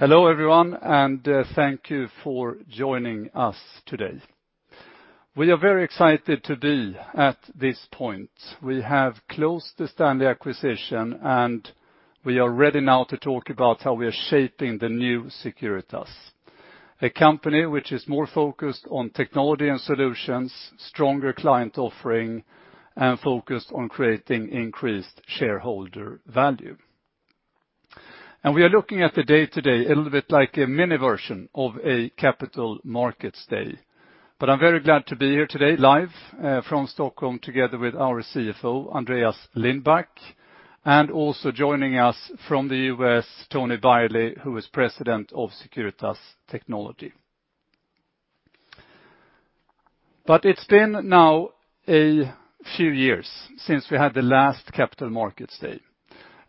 Hello everyone, and thank you for joining us today. We are very excited to be at this point. We have closed the Stanley acquisition, and we are ready now to talk about how we are shaping the new Securitas. A company which is more focused on Technology and Solutions, stronger client offering, and focused on creating increased shareholder value. We are looking at the day today a little bit like a mini version of a capital markets day. I'm very glad to be here today live, from Stockholm together with our CFO, Andreas Lindbäck, and also joining us from the U.S., Tony Byerly, who is president of Securitas Technology. It's been now a few years since we had the last capital markets day.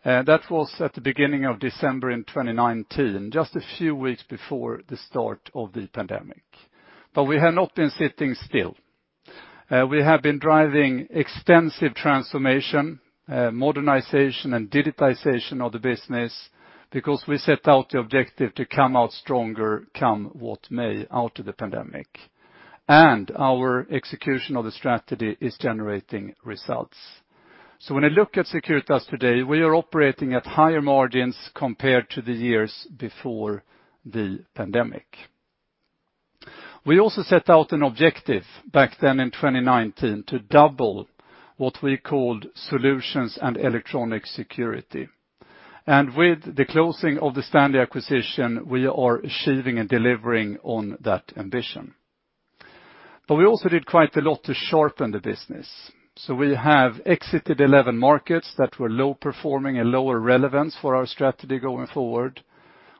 That was at the beginning of December in 2019, just a few weeks before the start of the pandemic. We have not been sitting still. We have been driving extensive transformation, modernization and digitization of the business because we set out the objective to come out stronger, come what may out of the pandemic. Our execution of the strategy is generating results. When you look at Securitas today, we are operating at higher margins compared to the years before the pandemic. We also set out an objective back then in 2019 to double what we called solutions and electronic security. With the closing of the Stanley acquisition, we are achieving and delivering on that ambition. We also did quite a lot to sharpen the business. We have exited 11 markets that were low performing and lower relevance for our strategy going forward.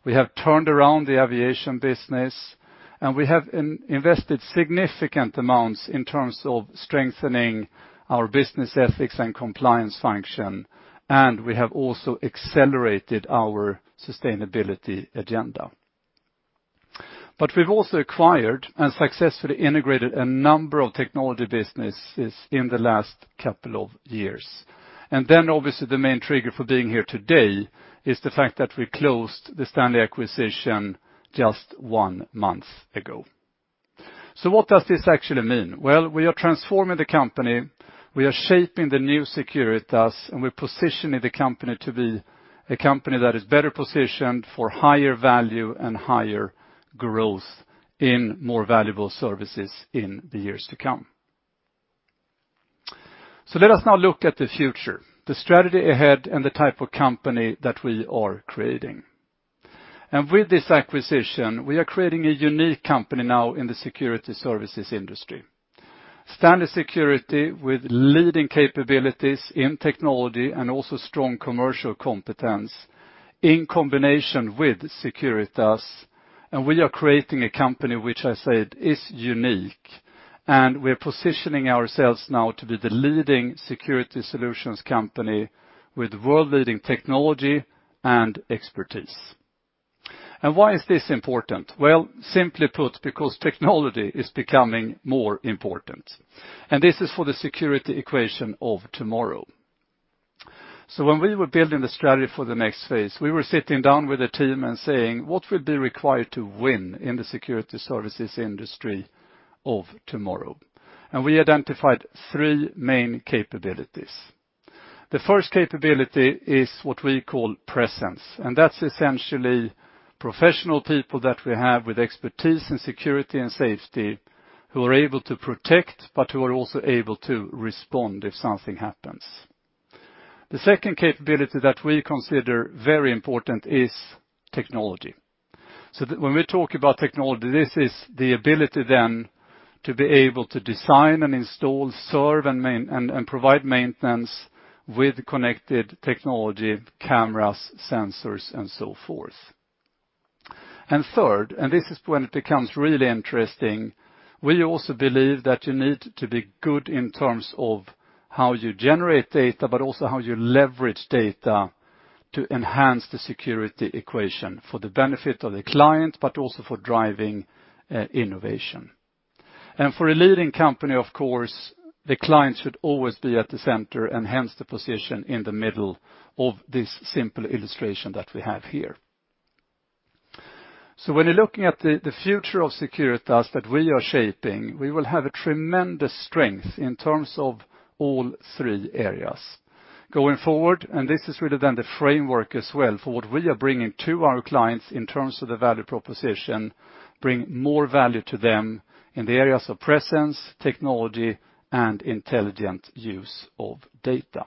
We have turned around the aviation business, and we have invested significant amounts in terms of strengthening our business ethics and compliance function, and we have also accelerated our sustainability agenda. We've also acquired and successfully integrated a number of technology businesses in the last couple of years. Obviously the main trigger for being here today is the fact that we closed the Stanley acquisition just one month ago. What does this actually mean? Well, we are transforming the company, we are shaping the new Securitas, and we're positioning the company to be a company that is better positioned for higher value and higher growth in more valuable services in the years to come. Let us now look at the future, the strategy ahead, and the type of company that we are creating. With this acquisition, we are creating a unique company now in the security services industry. Stanley Security with leading capabilities in technology and also strong commercial competence in combination with Securitas. We are creating a company which I said is unique. We're positioning ourselves now to be the leading security solutions company with world-leading technology and expertise. Why is this important? Well, simply put, because technology is becoming more important. This is for the security equation of tomorrow. When we were building the strategy for the next phase, we were sitting down with the team and saying, "What will be required to win in the security services industry of tomorrow?" We identified three main capabilities. The first capability is what we call presence. That's essentially professional people that we have with expertise in security and safety who are able to protect, but who are also able to respond if something happens. The second capability that we consider very important is technology. When we talk about technology, this is the ability then to be able to design and install, serve, and provide maintenance with connected technology, cameras, sensors, and so forth. Third, and this is when it becomes really interesting, we also believe that you need to be good in terms of how you generate data, but also how you leverage data to enhance the security equation for the benefit of the client, but also for driving innovation. For a leading company, of course, the client should always be at the center and hence the position in the middle of this simple illustration that we have here. When you're looking at the future of Securitas that we are shaping, we will have a tremendous strength in terms of all three areas. Going forward, this is really then the framework as well for what we are bringing to our clients in terms of the value proposition, bring more value to them in the areas of presence, technology, and intelligent use of data.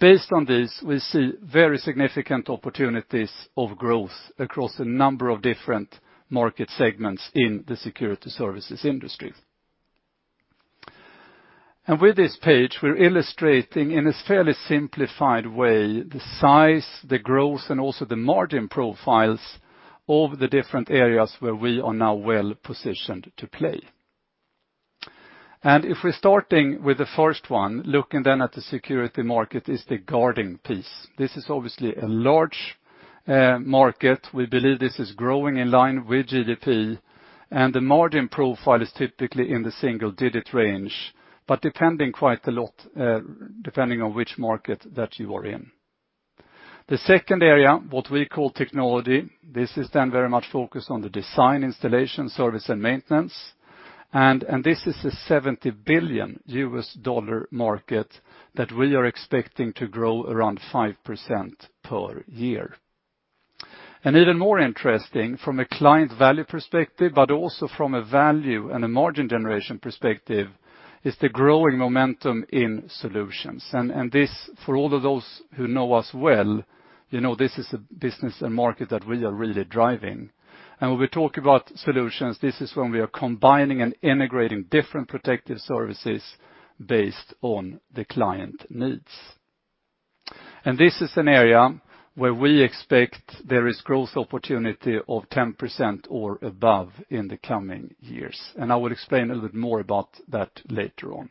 Based on this, we see very significant opportunities of growth across a number of different market segments in the security services industry. With this page, we're illustrating in this fairly simplified way the size, the growth, and also the margin profiles of the different areas where we are now well-positioned to play. If we're starting with the first one, looking then at the security market is the guarding piece. This is obviously a large market. We believe this is growing in line with GDP, and the margin profile is typically in the single digit range, but depending quite a lot, depending on which market that you are in. The second area, what we call technology, this is then very much focused on the design, installation, service, and maintenance. This is a $70 billion market that we are expecting to grow around 5% per year. Even more interesting from a client value perspective, but also from a value and a margin generation perspective, is the growing momentum in solutions. This for all of those who know us well, you know, this is a business and market that we are really driving. When we talk about solutions, this is when we are combining and integrating different protective services based on the client needs. This is an area where we expect there is growth opportunity of 10% or above in the coming years. I will explain a little bit more about that later on.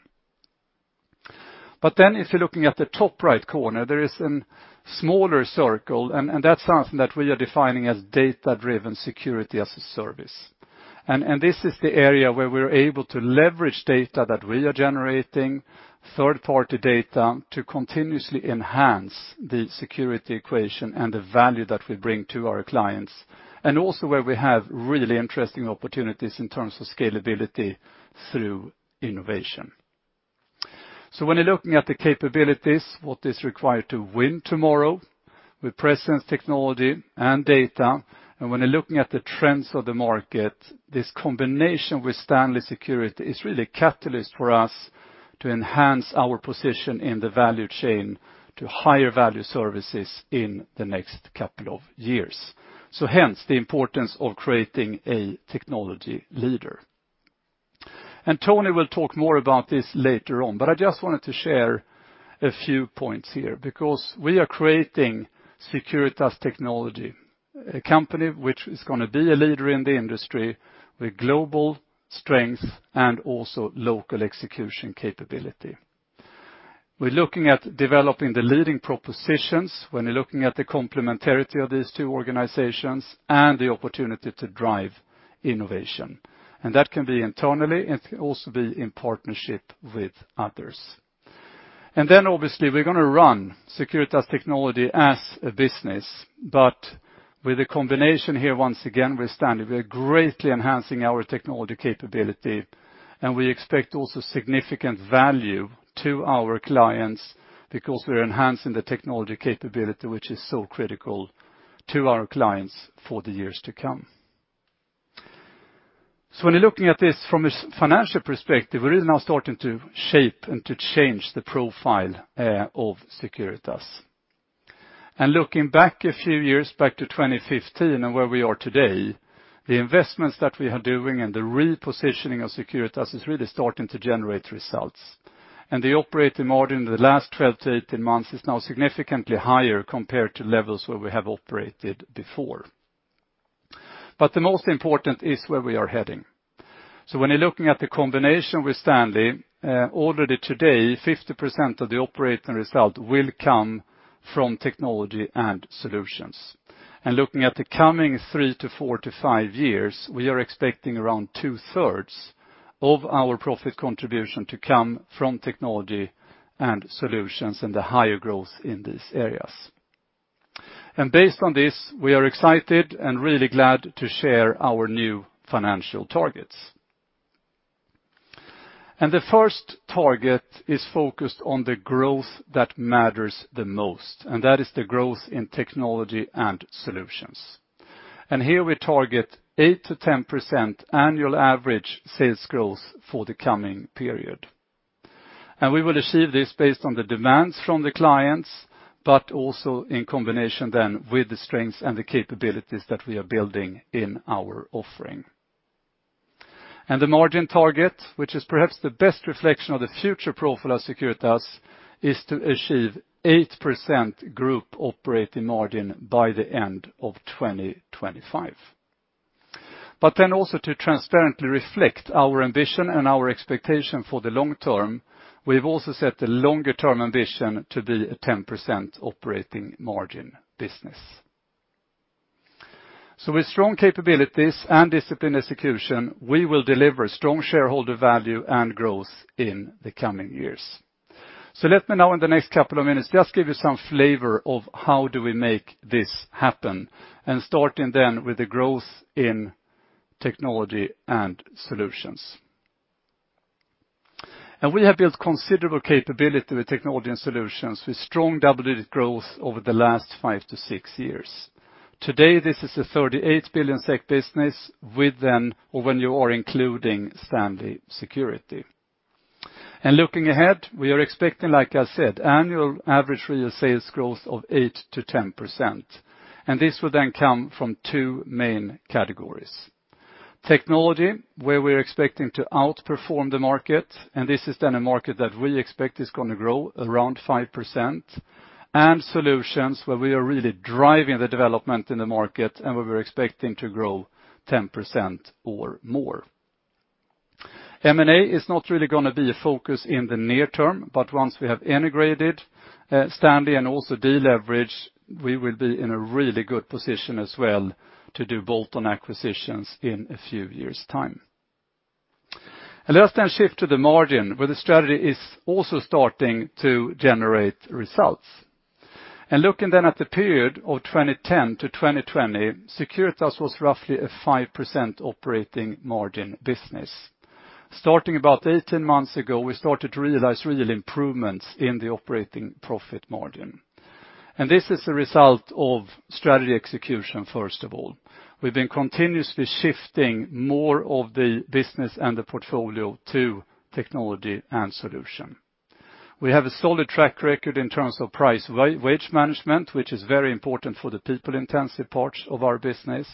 Then if you're looking at the top right corner, there is a smaller circle, and that's something that we are defining as data-driven security as a service. This is the area where we're able to leverage data that we are generating, third-party data, to continuously enhance the security equation and the value that we bring to our clients. Also where we have really interesting opportunities in terms of scalability through innovation. When you're looking at the capabilities, what is required to win tomorrow with presence, technology, and data, and when you're looking at the trends of the market, this combination with Stanley Security is really a catalyst for us to enhance our position in the value chain to higher value services in the next couple of years. Hence, the importance of creating a technology leader. Tony will talk more about this later on. I just wanted to share a few points here because we are creating Securitas Technology, a company which is gonna be a leader in the industry with global strength and also local execution capability. We're looking at developing the leading propositions when you're looking at the complementarity of these two organizations and the opportunity to drive innovation. That can be internally, it can also be in partnership with others. Then obviously, we're gonna run Securitas Technology as a business. With a combination here, once again, with Stanley, we are greatly enhancing our technology capability, and we expect also significant value to our clients because we're enhancing the technology capability, which is so critical to our clients for the years to come. When you're looking at this from a financial perspective, we're really now starting to shape and to change the profile of Securitas. Looking back a few years back to 2015 and where we are today, the investments that we are doing and the repositioning of Securitas is really starting to generate results. The operating margin in the last 12-18 months is now significantly higher compared to levels where we have operated before. The most important is where we are heading. When you're looking at the combination with Stanley, already today, 50% of the operating result will come from Technology and Solutions. Looking at the coming three to four to five years, we are expecting around 2/3 of our profit contribution to come from Technology and Solutions and the higher growth in these areas. Based on this, we are excited and really glad to share our new financial targets. The first target is focused on the growth that matters the most, and that is the growth in Technology and Solutions. Here we target 8%-10% annual average sales growth for the coming period. We will achieve this based on the demands from the clients, but also in combination then with the strengths and the capabilities that we are building in our offering. The margin target, which is perhaps the best reflection of the future profile of Securitas, is to achieve 8% group operating margin by the end of 2025. Then also to transparently reflect our ambition and our expectation for the long term, we've also set the longer-term ambition to be a 10% operating margin business. With strong capabilities and disciplined execution, we will deliver strong shareholder value and growth in the coming years. Let me now in the next couple of minutes just give you some flavor of how do we make this happen, and starting then with the growth in Technology and Solutions. We have built considerable capability with Technology and Solutions with strong double-digit growth over the last 5-6 years. Today, this is a 38 billion SEK business when you are including Stanley Security. Looking ahead, we are expecting, like I said, annual average real sales growth of 8%-10%. This will then come from two main categories. Technology, where we're expecting to outperform the market, and this is then a market that we expect is gonna grow around 5%. Solutions, where we are really driving the development in the market, and where we're expecting to grow 10% or more. M&A is not really gonna be a focus in the near term, but once we have integrated Stanley and also deleveraged, we will be in a really good position as well to do bolt-on acquisitions in a few years' time. Let us then shift to the margin where the strategy is also starting to generate results. Looking then at the period of 2010 to 2020, Securitas was roughly a 5% operating margin business. Starting about 18 months ago, we started to realize real improvements in the operating profit margin. This is a result of strategy execution, first of all. We've been continuously shifting more of the business and the portfolio to technology and solution. We have a solid track record in terms of price wage management, which is very important for the people-intensive parts of our business.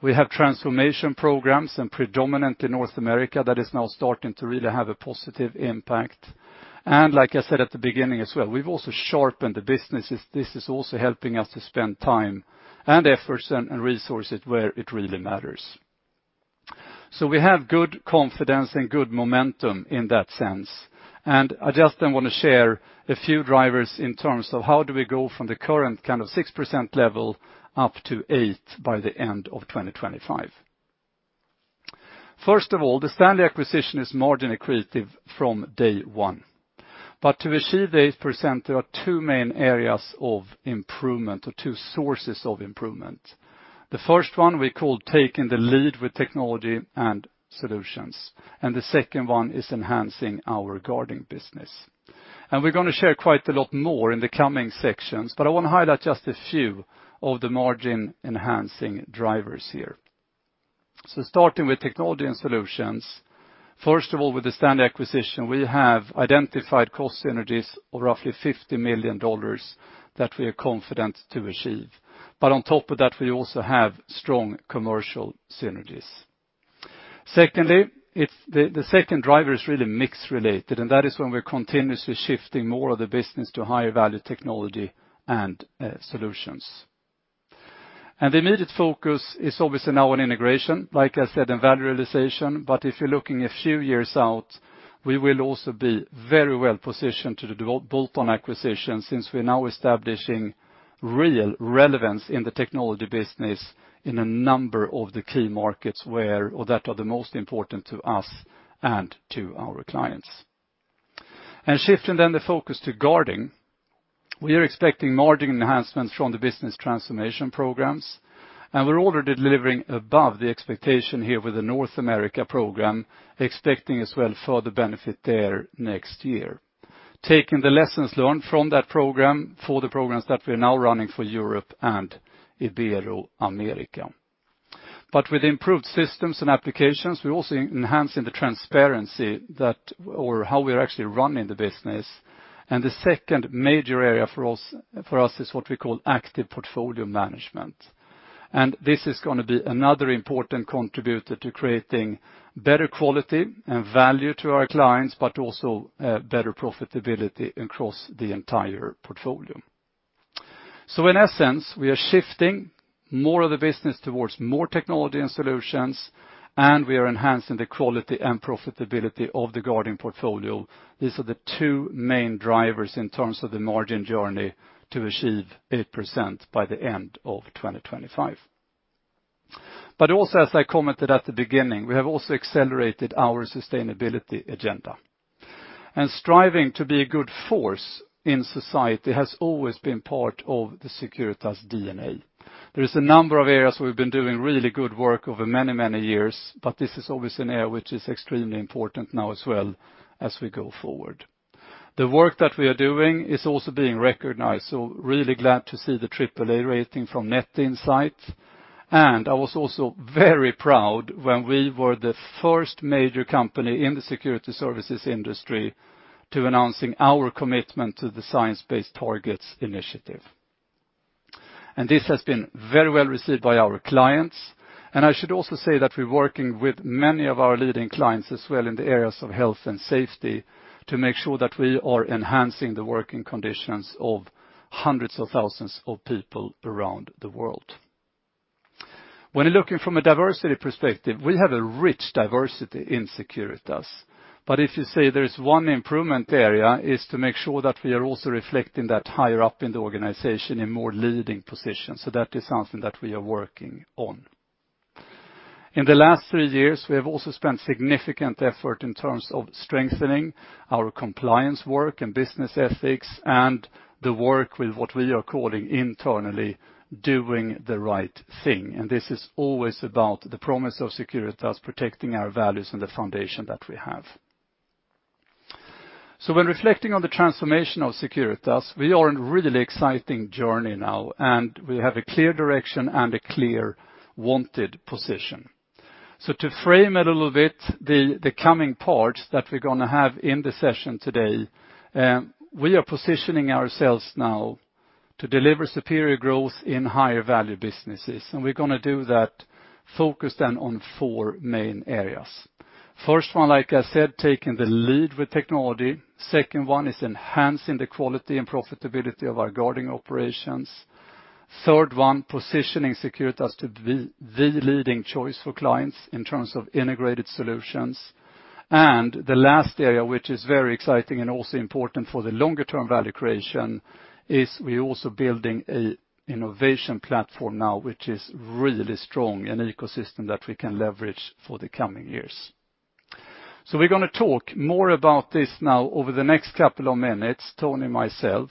We have transformation programs predominantly in North America that is now starting to really have a positive impact. Like I said at the beginning as well, we've also sharpened the businesses. This is also helping us to spend time and efforts and resources where it really matters. We have good confidence and good momentum in that sense. I just then want to share a few drivers in terms of how do we go from the current kind of 6% level up to 8% by the end of 2025. First of all, the Stanley acquisition is margin-accretive from day one. To achieve 8%, there are two main areas of improvement or two sources of improvement. The first one we call taking the lead with Technology and Solutions, and the second one is enhancing our guarding business. We're going to share quite a lot more in the coming sections, but I want to highlight just a few of the margin-enhancing drivers here. Starting with Technology and Solutions, first of all, with the Stanley acquisition, we have identified cost synergies of roughly $50 million that we are confident to achieve. On top of that, we also have strong commercial synergies. Secondly, it's the second driver is really mix-related, and that is when we're continuously shifting more of the business to higher value Technology and Solutions. The immediate focus is obviously now on integration, like I said, and value realization. If you're looking a few years out, we will also be very well positioned to do bolt-on acquisitions since we're now establishing real relevance in the technology business in a number of the key markets where or that are the most important to us and to our clients. Shifting then the focus to guarding. We are expecting margin enhancements from the business transformation programs, and we're already delivering above the expectation here with the North America program, expecting as well further benefit there next year. Taking the lessons learned from that program for the programs that we're now running for Europe and Ibero-America. With improved systems and applications, we're also enhancing the transparency that or how we are actually running the business. The second major area for us, for us is what we call Active Portfolio Management. This is gonna be another important contributor to creating better quality and value to our clients, but also, better profitability across the entire portfolio. In essence, we are shifting more of the business towards more Technology and Solutions, and we are enhancing the quality and profitability of the guarding portfolio. These are the two main drivers in terms of the margin journey to achieve 8% by the end of 2025. Also, as I commented at the beginning, we have also accelerated our sustainability agenda. Striving to be a good force in society has always been part of the Securitas DNA. There is a number of areas we've been doing really good work over many, many years, but this is obviously an area which is extremely important now as well as we go forward. The work that we are doing is also being recognized, so really glad to see the AAA rating from The Upright Project. I was also very proud when we were the first major company in the security services industry to announcing our commitment to the Science Based Targets initiative. This has been very well received by our clients. I should also say that we're working with many of our leading clients as well in the areas of health and safety to make sure that we are enhancing the working conditions of hundreds of thousands of people around the world. When looking from a diversity perspective, we have a rich diversity in Securitas. If you say there is one improvement area is to make sure that we are also reflecting that higher up in the organization in more leading positions. That is something that we are working on. In the last three years, we have also spent significant effort in terms of strengthening our compliance work and business ethics and the work with what we are calling internally doing the right thing. This is always about the promise of Securitas protecting our values and the foundation that we have. When reflecting on the transformation of Securitas, we are in really exciting journey now, and we have a clear direction and a clear wanted position. To frame it a little bit, the coming parts that we're gonna have in the session today, we are positioning ourselves now to deliver superior growth in higher value businesses. We're gonna do that focused then on four main areas. First one, like I said, taking the lead with technology. Second one is enhancing the quality and profitability of our guarding operations. Third one, positioning Securitas to be the leading choice for clients in terms of integrated solutions. The last area, which is very exciting and also important for the longer term value creation, is we're also building an innovation platform now which is really strong, an ecosystem that we can leverage for the coming years. We're gonna talk more about this now over the next couple of minutes, Tony and myself.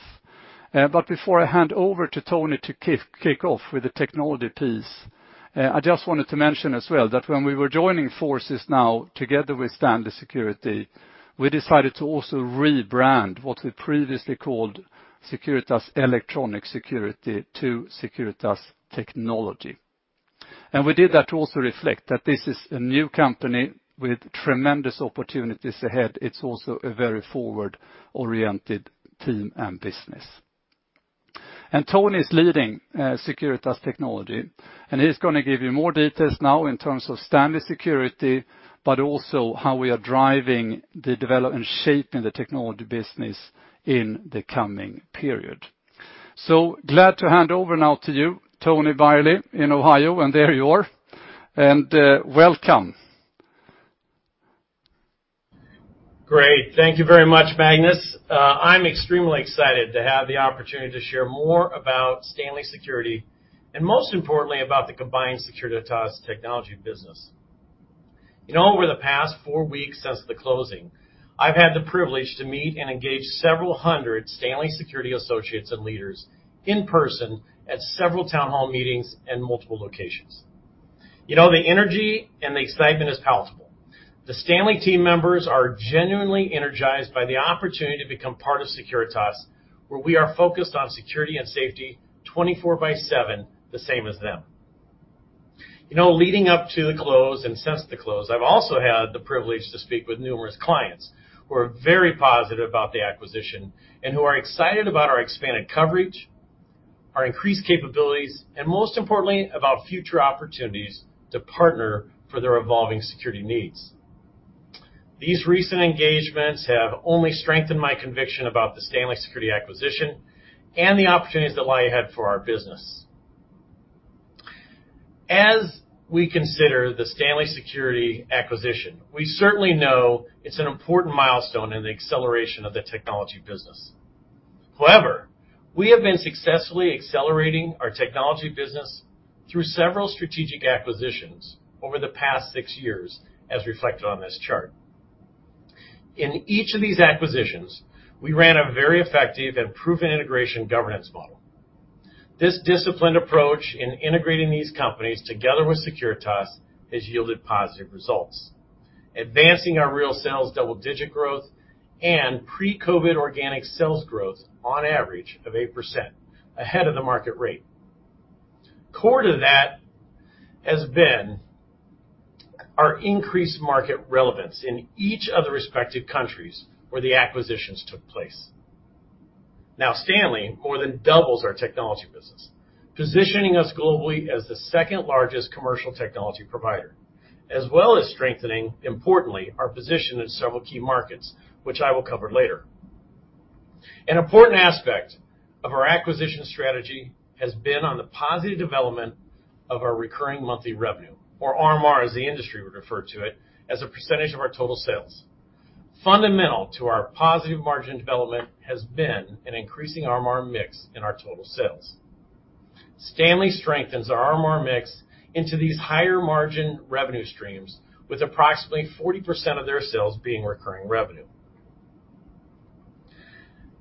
But before I hand over to Tony to kick off with the technology piece, I just wanted to mention as well that when we were joining forces now together with Stanley Security, we decided to also rebrand what we previously called Securitas Electronic Security to Securitas Technology. We did that to also reflect that this is a new company with tremendous opportunities ahead. It's also a very forward-oriented team and business. Tony is leading Securitas Technology, and he is gonna give you more details now in terms of Stanley Security, but also how we are driving the development and shaping the technology business in the coming period. Glad to hand over now to you, Tony Byerly, in Ohio, and there you are. Welcome. Great. Thank you very much, Magnus. I'm extremely excited to have the opportunity to share more about Stanley Security, and most importantly, about the combined Securitas Technology business. You know, over the past four weeks since the closing, I've had the privilege to meet and engage several hundred Stanley Security associates and leaders in person at several town hall meetings and multiple locations. You know, the energy and the excitement is palpable. The Stanley team members are genuinely energized by the opportunity to become part of Securitas, where we are focused on security and safety twenty-four by seven, the same as them. You know, leading up to the close and since the close, I've also had the privilege to speak with numerous clients who are very positive about the acquisition, and who are excited about our expanded coverage, our increased capabilities, and most importantly, about future opportunities to partner for their evolving security needs. These recent engagements have only strengthened my conviction about the Stanley Security acquisition and the opportunities that lie ahead for our business. As we consider the Stanley Security acquisition, we certainly know it's an important milestone in the acceleration of the technology business. However, we have been successfully accelerating our technology business through several strategic acquisitions over the past six years, as reflected on this chart. In each of these acquisitions, we ran a very effective and proven integration governance model. This disciplined approach in integrating these companies together with Securitas has yielded positive results, advancing our real sales double-digit growth and pre-COVID organic sales growth on average of 8% ahead of the market rate. Core to that has been our increased market relevance in each of the respective countries where the acquisitions took place. Now, Stanley more than doubles our technology business, positioning us globally as the second-largest commercial technology provider, as well as strengthening, importantly, our position in several key markets, which I will cover later. An important aspect of our acquisition strategy has been on the positive development of our recurring monthly revenue, or RMR, as the industry would refer to it, as a percentage of our total sales. Fundamental to our positive margin development has been an increasing RMR mix in our total sales. Stanley strengthens our RMR mix into these higher margin revenue streams with approximately 40% of their sales being recurring revenue.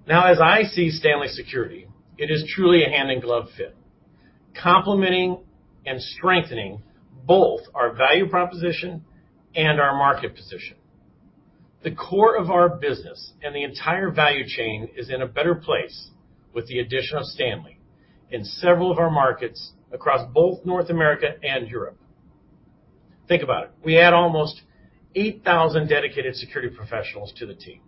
Now, as I see Stanley Security, it is truly a hand-in-glove fit, complementing and strengthening both our value proposition and our market position. The core of our business and the entire value chain is in a better place with the addition of Stanley in several of our markets across both North America and Europe. Think about it. We add almost 8,000 dedicated security professionals to the team.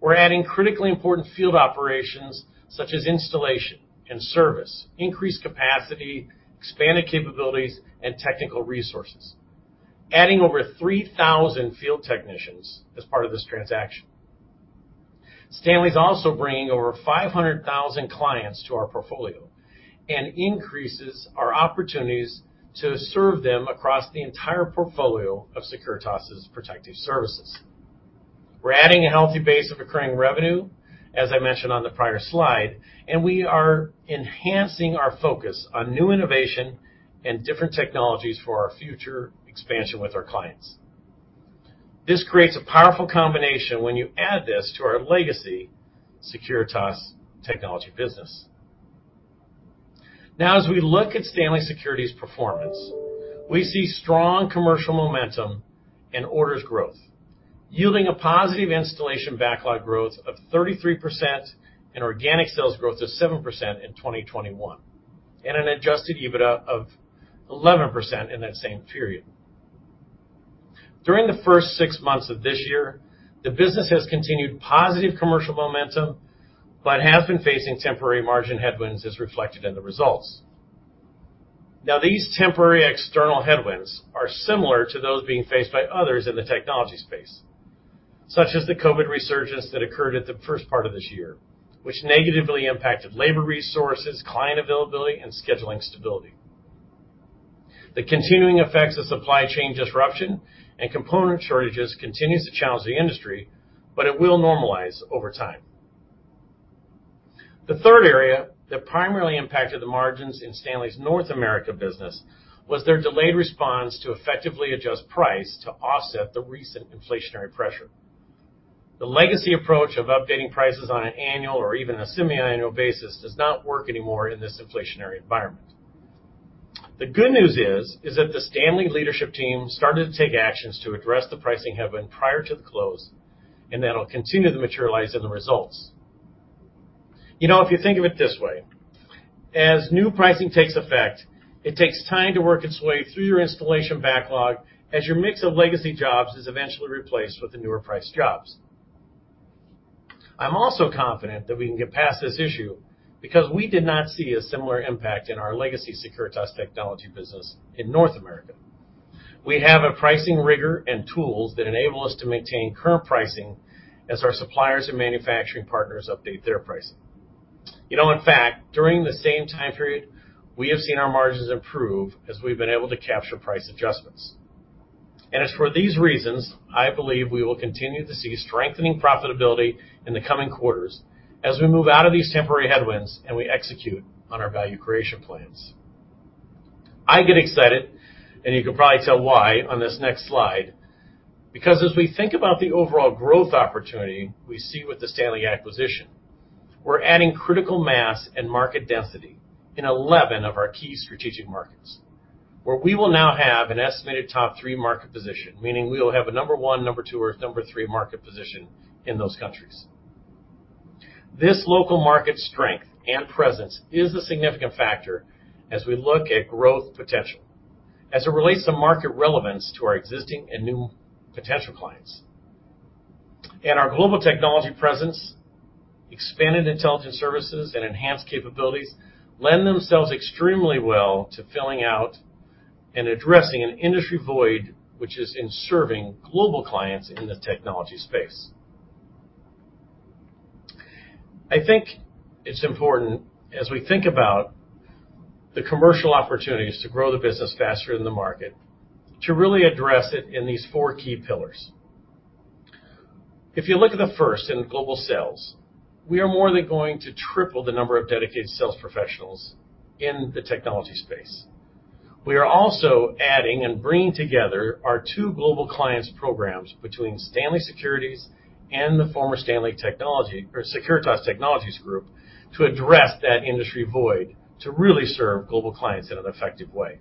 We're adding critically important field operations such as installation and service, increased capacity, expanded capabilities, and technical resources, adding over 3,000 field technicians as part of this transaction. Stanley's also bringing over 500,000 clients to our portfolio and increases our opportunities to serve them across the entire portfolio of Securitas' protective services. We're adding a healthy base of recurring revenue, as I mentioned on the prior slide, and we are enhancing our focus on new innovation and different technologies for our future expansion with our clients. This creates a powerful combination when you add this to our legacy Securitas Technology business. Now, as we look at Stanley Security's performance, we see strong commercial momentum and orders growth, yielding a positive installation backlog growth of 33% and organic sales growth of 7% in 2021, and an adjusted EBITDA of 11% in that same period. During the first six months of this year, the business has continued positive commercial momentum, but has been facing temporary margin headwinds as reflected in the results. Now, these temporary external headwinds are similar to those being faced by others in the technology space, such as the COVID resurgence that occurred at the first part of this year, which negatively impacted labor resources, client availability, and scheduling stability. The continuing effects of supply chain disruption and component shortages continues to challenge the industry, but it will normalize over time. The third area that primarily impacted the margins in Stanley's North America business was their delayed response to effectively adjust price to offset the recent inflationary pressure. The legacy approach of updating prices on an annual or even a semiannual basis does not work anymore in this inflationary environment. The good news is that the Stanley leadership team started to take actions to address the pricing headwind prior to the close, and that'll continue to materialize in the results. You know, if you think of it this way, as new pricing takes effect, it takes time to work its way through your installation backlog as your mix of legacy jobs is eventually replaced with the newer priced jobs. I'm also confident that we can get past this issue because we did not see a similar impact in our legacy Securitas Technology business in North America. We have a pricing rigor and tools that enable us to maintain current pricing as our suppliers and manufacturing partners update their pricing. You know, in fact, during the same time period, we have seen our margins improve as we've been able to capture price adjustments. It's for these reasons, I believe we will continue to see strengthening profitability in the coming quarters as we move out of these temporary headwinds and we execute on our value creation plans. I get excited, and you can probably tell why on this next slide, because as we think about the overall growth opportunity we see with the Stanley acquisition, we're adding critical mass and market density in 11 of our key strategic markets, where we will now have an estimated top three market position, meaning we will have a number one, number two, or number three market position in those countries. This local market strength and presence is a significant factor as we look at growth potential as it relates to market relevance to our existing and new potential clients. Our global technology presence, expanded intelligent services, and enhanced capabilities lend themselves extremely well to filling out and addressing an industry void which is in serving global clients in the technology space. I think it's important as we think about the commercial opportunities to grow the business faster than the market to really address it in these four key pillars. If you look at the first in global sales, we are more than going to triple the number of dedicated sales professionals in the technology space. We are also adding and bringing together our two global clients programs between Stanley Security and the former Securitas Electronic Security or Securitas Technology to address that industry void to really serve global clients in an effective way.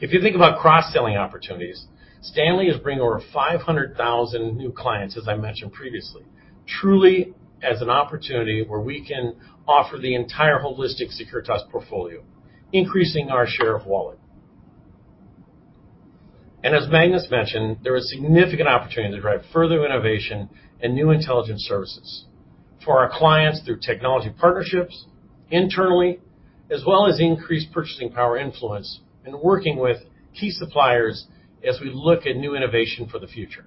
If you think about cross-selling opportunities, Stanley is bringing over 500,000 new clients, as I mentioned previously, truly as an opportunity where we can offer the entire holistic Securitas portfolio, increasing our share of wallet. As Magnus mentioned, there is significant opportunity to drive further innovation and new intelligence services for our clients through technology partnerships internally, as well as increased purchasing power influence in working with key suppliers as we look at new innovation for the future.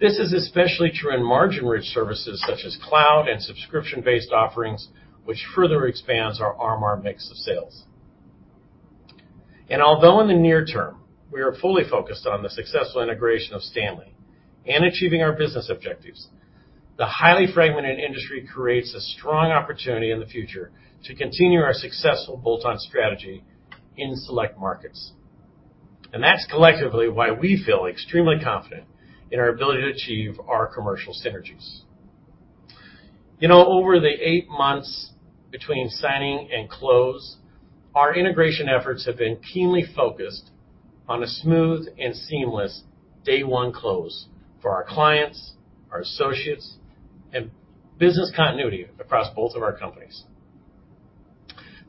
This is especially true in margin-rich services such as cloud and subscription-based offerings, which further expands our RMR mix of sales. Although in the near term, we are fully focused on the successful integration of Stanley and achieving our business objectives, the highly fragmented industry creates a strong opportunity in the future to continue our successful bolt-on strategy in select markets. That's collectively why we feel extremely confident in our ability to achieve our commercial synergies. You know, over the eight months between signing and close, our integration efforts have been keenly focused on a smooth and seamless day one close for our clients, our associates, and business continuity across both of our companies.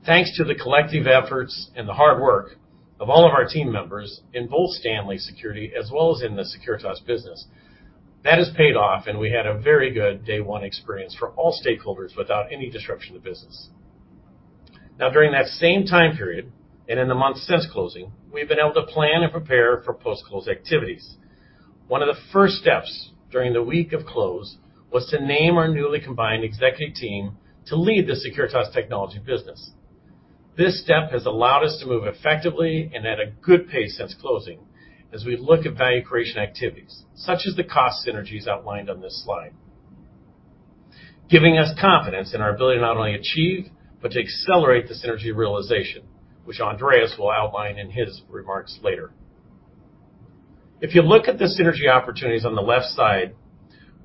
Thanks to the collective efforts and the hard work of all of our team members in both Stanley Security as well as in the Securitas business, that has paid off, and we had a very good day one experience for all stakeholders without any disruption to business. Now, during that same time period and in the months since closing, we've been able to plan and prepare for post-close activities. One of the first steps during the week of close was to name our newly combined executive team to lead the Securitas Technology business. This step has allowed us to move effectively and at a good pace since closing as we look at value creation activities, such as the cost synergies outlined on this slide, giving us confidence in our ability to not only achieve, but to accelerate the synergy realization, which Andreas will outline in his remarks later. If you look at the synergy opportunities on the left side,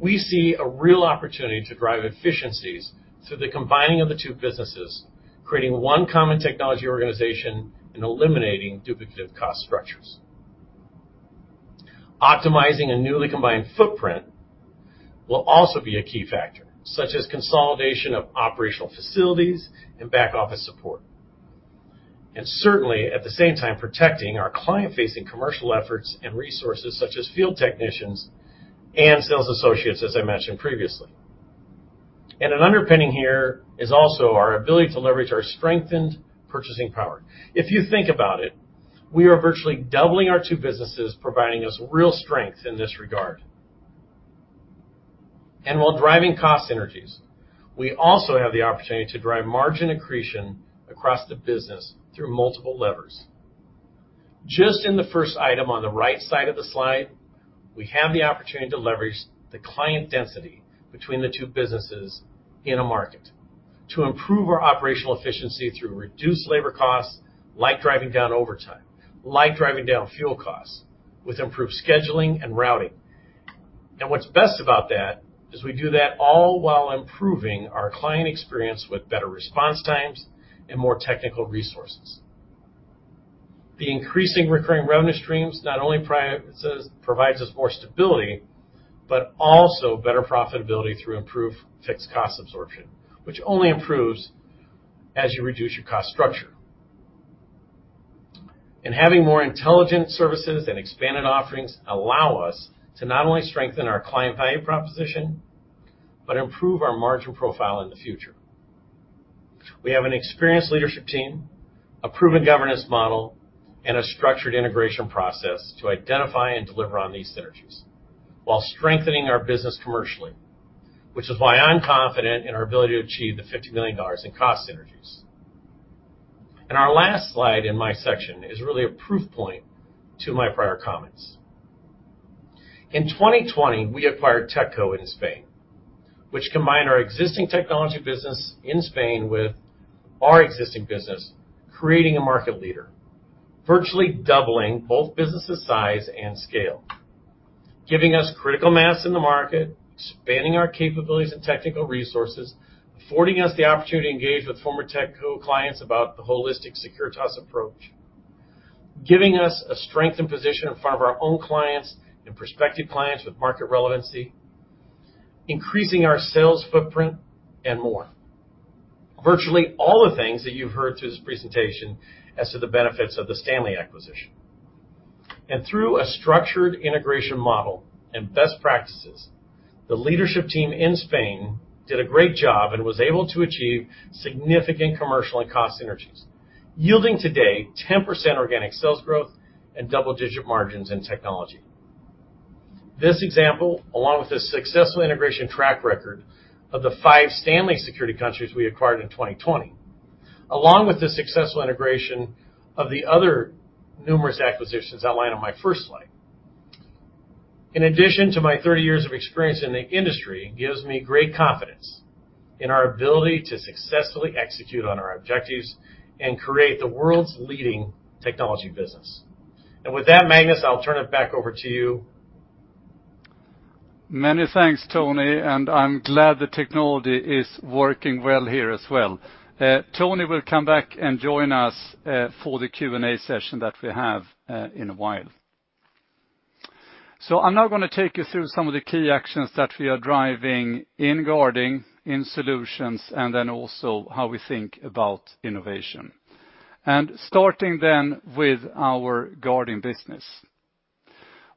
we see a real opportunity to drive efficiencies through the combining of the two businesses, creating one common technology organization and eliminating duplicative cost structures. Optimizing a newly combined footprint will also be a key factor, such as consolidation of operational facilities and back office support, and certainly, at the same time, protecting our client-facing commercial efforts and resources such as field technicians and sales associates, as I mentioned previously. An underpinning here is also our ability to leverage our strengthened purchasing power. If you think about it, we are virtually doubling our two businesses, providing us real strength in this regard. While driving cost synergies, we also have the opportunity to drive margin accretion across the business through multiple levers. Just in the first item on the right side of the slide, we have the opportunity to leverage the client density between the two businesses in a market to improve our operational efficiency through reduced labor costs, like driving down overtime, like driving down fuel costs with improved scheduling and routing. What's best about that is we do that all while improving our client experience with better response times and more technical resources. The increasing recurring revenue streams not only provides us more stability, but also better profitability through improved fixed cost absorption, which only improves as you reduce your cost structure. Having more intelligent services and expanded offerings allow us to not only strengthen our client value proposition, but improve our margin profile in the future. We have an experienced leadership team, a proven governance model, and a structured integration process to identify and deliver on these synergies while strengthening our business commercially, which is why I'm confident in our ability to achieve the $50 million in cost synergies. Our last slide in my section is really a proof point to my prior comments. In 2020, we acquired Techco in Spain, which combined our existing technology business in Spain with our existing business, creating a market leader, virtually doubling both businesses size and scale, giving us critical mass in the market, expanding our capabilities and technical resources, affording us the opportunity to engage with former Techco clients about the holistic Securitas approach, giving us a strengthened position in front of our own clients and prospective clients with market relevancy, increasing our sales footprint, and more. Virtually all the things that you've heard through this presentation as to the benefits of the Stanley acquisition. Through a structured integration model and best practices, the leadership team in Spain did a great job and was able to achieve significant commercial and cost synergies, yielding today 10% organic sales growth and double-digit margins in technology. This example, along with the successful integration track record of the five Stanley Security countries we acquired in 2020, along with the successful integration of the other numerous acquisitions outlined on my first slide. In addition to my 30 years of experience in the industry, it gives me great confidence in our ability to successfully execute on our objectives and create the world's leading technology business. With that, Magnus, I'll turn it back over to you. Many thanks, Tony, and I'm glad the technology is working well here as well. Tony will come back and join us for the Q&A session that we have in a while. I'm now gonna take you through some of the key actions that we are driving in guarding, in solutions, and then also how we think about innovation. Starting then with our guarding business.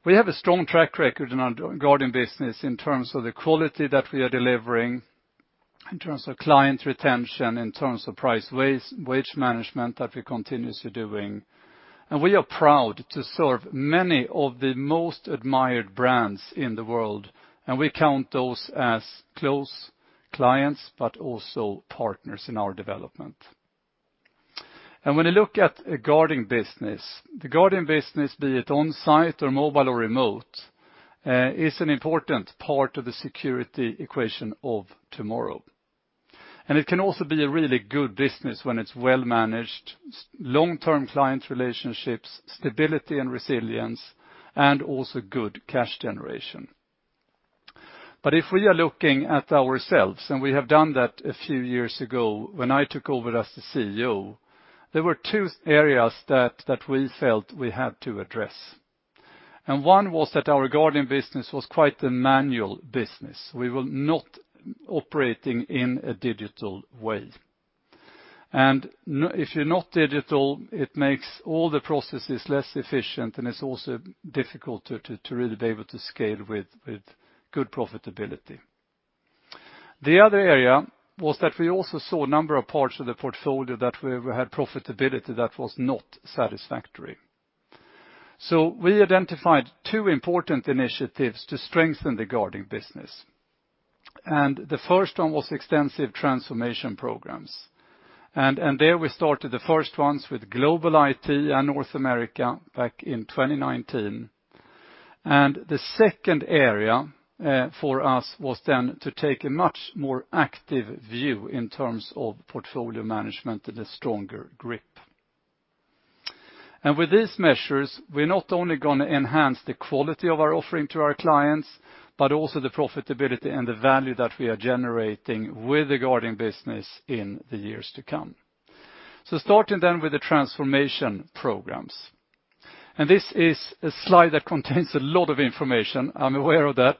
We have a strong track record in our guarding business in terms of the quality that we are delivering, in terms of client retention, in terms of price and wage management that we're continuously doing. We are proud to serve many of the most admired brands in the world, and we count those as close clients, but also partners in our development. When you look at a guarding business, the guarding business, be it on-site or mobile or remote, is an important part of the security equation of tomorrow. It can also be a really good business when it's well managed, solid long-term client relationships, stability and resilience, and also good cash generation. If we are looking at ourselves, and we have done that a few years ago when I took over as the CEO, there were two areas that we felt we had to address. One was that our guarding business was quite the manual business. We were not operating in a digital way. If you're not digital, it makes all the processes less efficient, and it's also difficult to really be able to scale with good profitability. The other area was that we also saw a number of parts of the portfolio that we had profitability that was not satisfactory. We identified two important initiatives to strengthen the guarding business. The first one was extensive transformation programs. There we started the first ones with global IT and North America back in 2019. The second area for us was then to take a much more active view in terms of portfolio management and a stronger grip. With these measures, we're not only gonna enhance the quality of our offering to our clients, but also the profitability and the value that we are generating with the guarding business in the years to come. Starting with the transformation programs. This is a slide that contains a lot of information. I'm aware of that.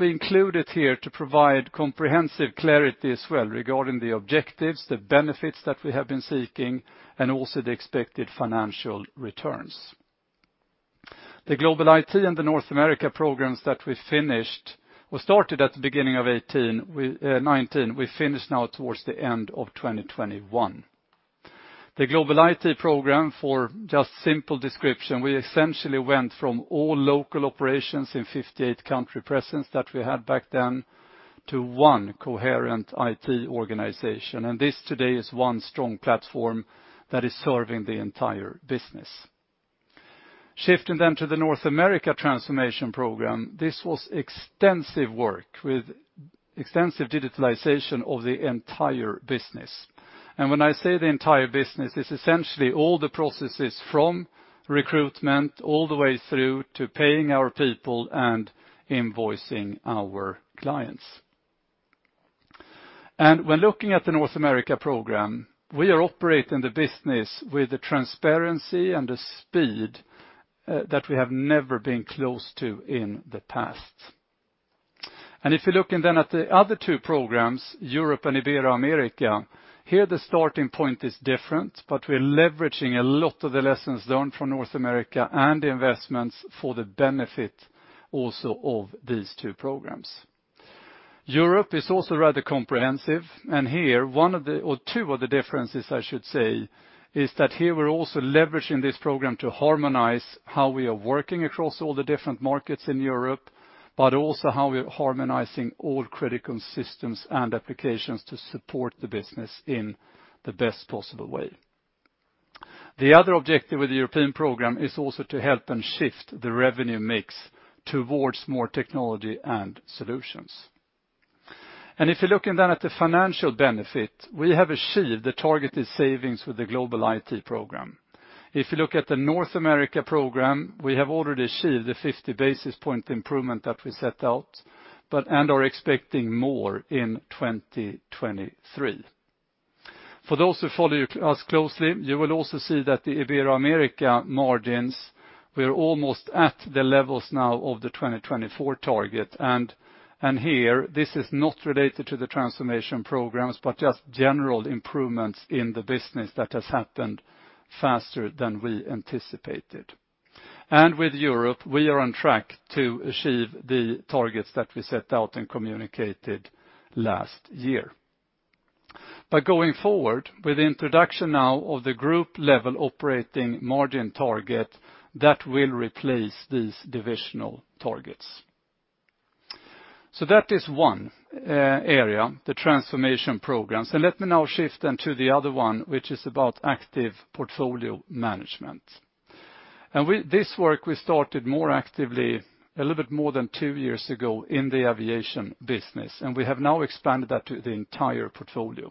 We include it here to provide comprehensive clarity as well regarding the objectives, the benefits that we have been seeking, and also the expected financial returns. The global IT and the North America programs. We started at the beginning of 2018, we 2019, we finish now towards the end of 2021. The global IT program, for just simple description, we essentially went from all local operations in 58-country presence that we had back then to one coherent IT organization. This today is one strong platform that is serving the entire business. Shifting then to the North America transformation program, this was extensive work with extensive digitalization of the entire business. When I say the entire business, it's essentially all the processes from recruitment all the way through to paying our people and invoicing our clients. When looking at the North America program, we are operating the business with the transparency and the speed that we have never been close to in the past. If you're looking then at the other two programs, Europe and Ibero-America, here the starting point is different, but we're leveraging a lot of the lessons learned from North America and the investments for the benefit also of these two programs. Europe is also rather comprehensive, and here two of the differences I should say is that here we're also leveraging this program to harmonize how we are working across all the different markets in Europe, but also how we're harmonizing all critical systems and applications to support the business in the best possible way. The other objective with the European program is also to help them shift the revenue mix towards more Technology and Solutions. If you're looking then at the financial benefit, we have achieved the targeted savings with the global IT program. If you look at the North America program, we have already achieved the 50 basis points improvement that we set out, but are expecting more in 2023. For those who follow us closely, you will also see that the Ibero-America margins, we're almost at the levels now of the 2024 target. Here this is not related to the transformation programs, but just general improvements in the business that has happened faster than we anticipated. With Europe, we are on track to achieve the targets that we set out and communicated last year. Going forward with the introduction now of the group level operating margin target, that will replace these divisional targets. That is one area, the transformation programs. Let me now shift then to the other one, which is about active portfolio management. With this work, we started more actively a little bit more than two years ago in the aviation business, and we have now expanded that to the entire portfolio.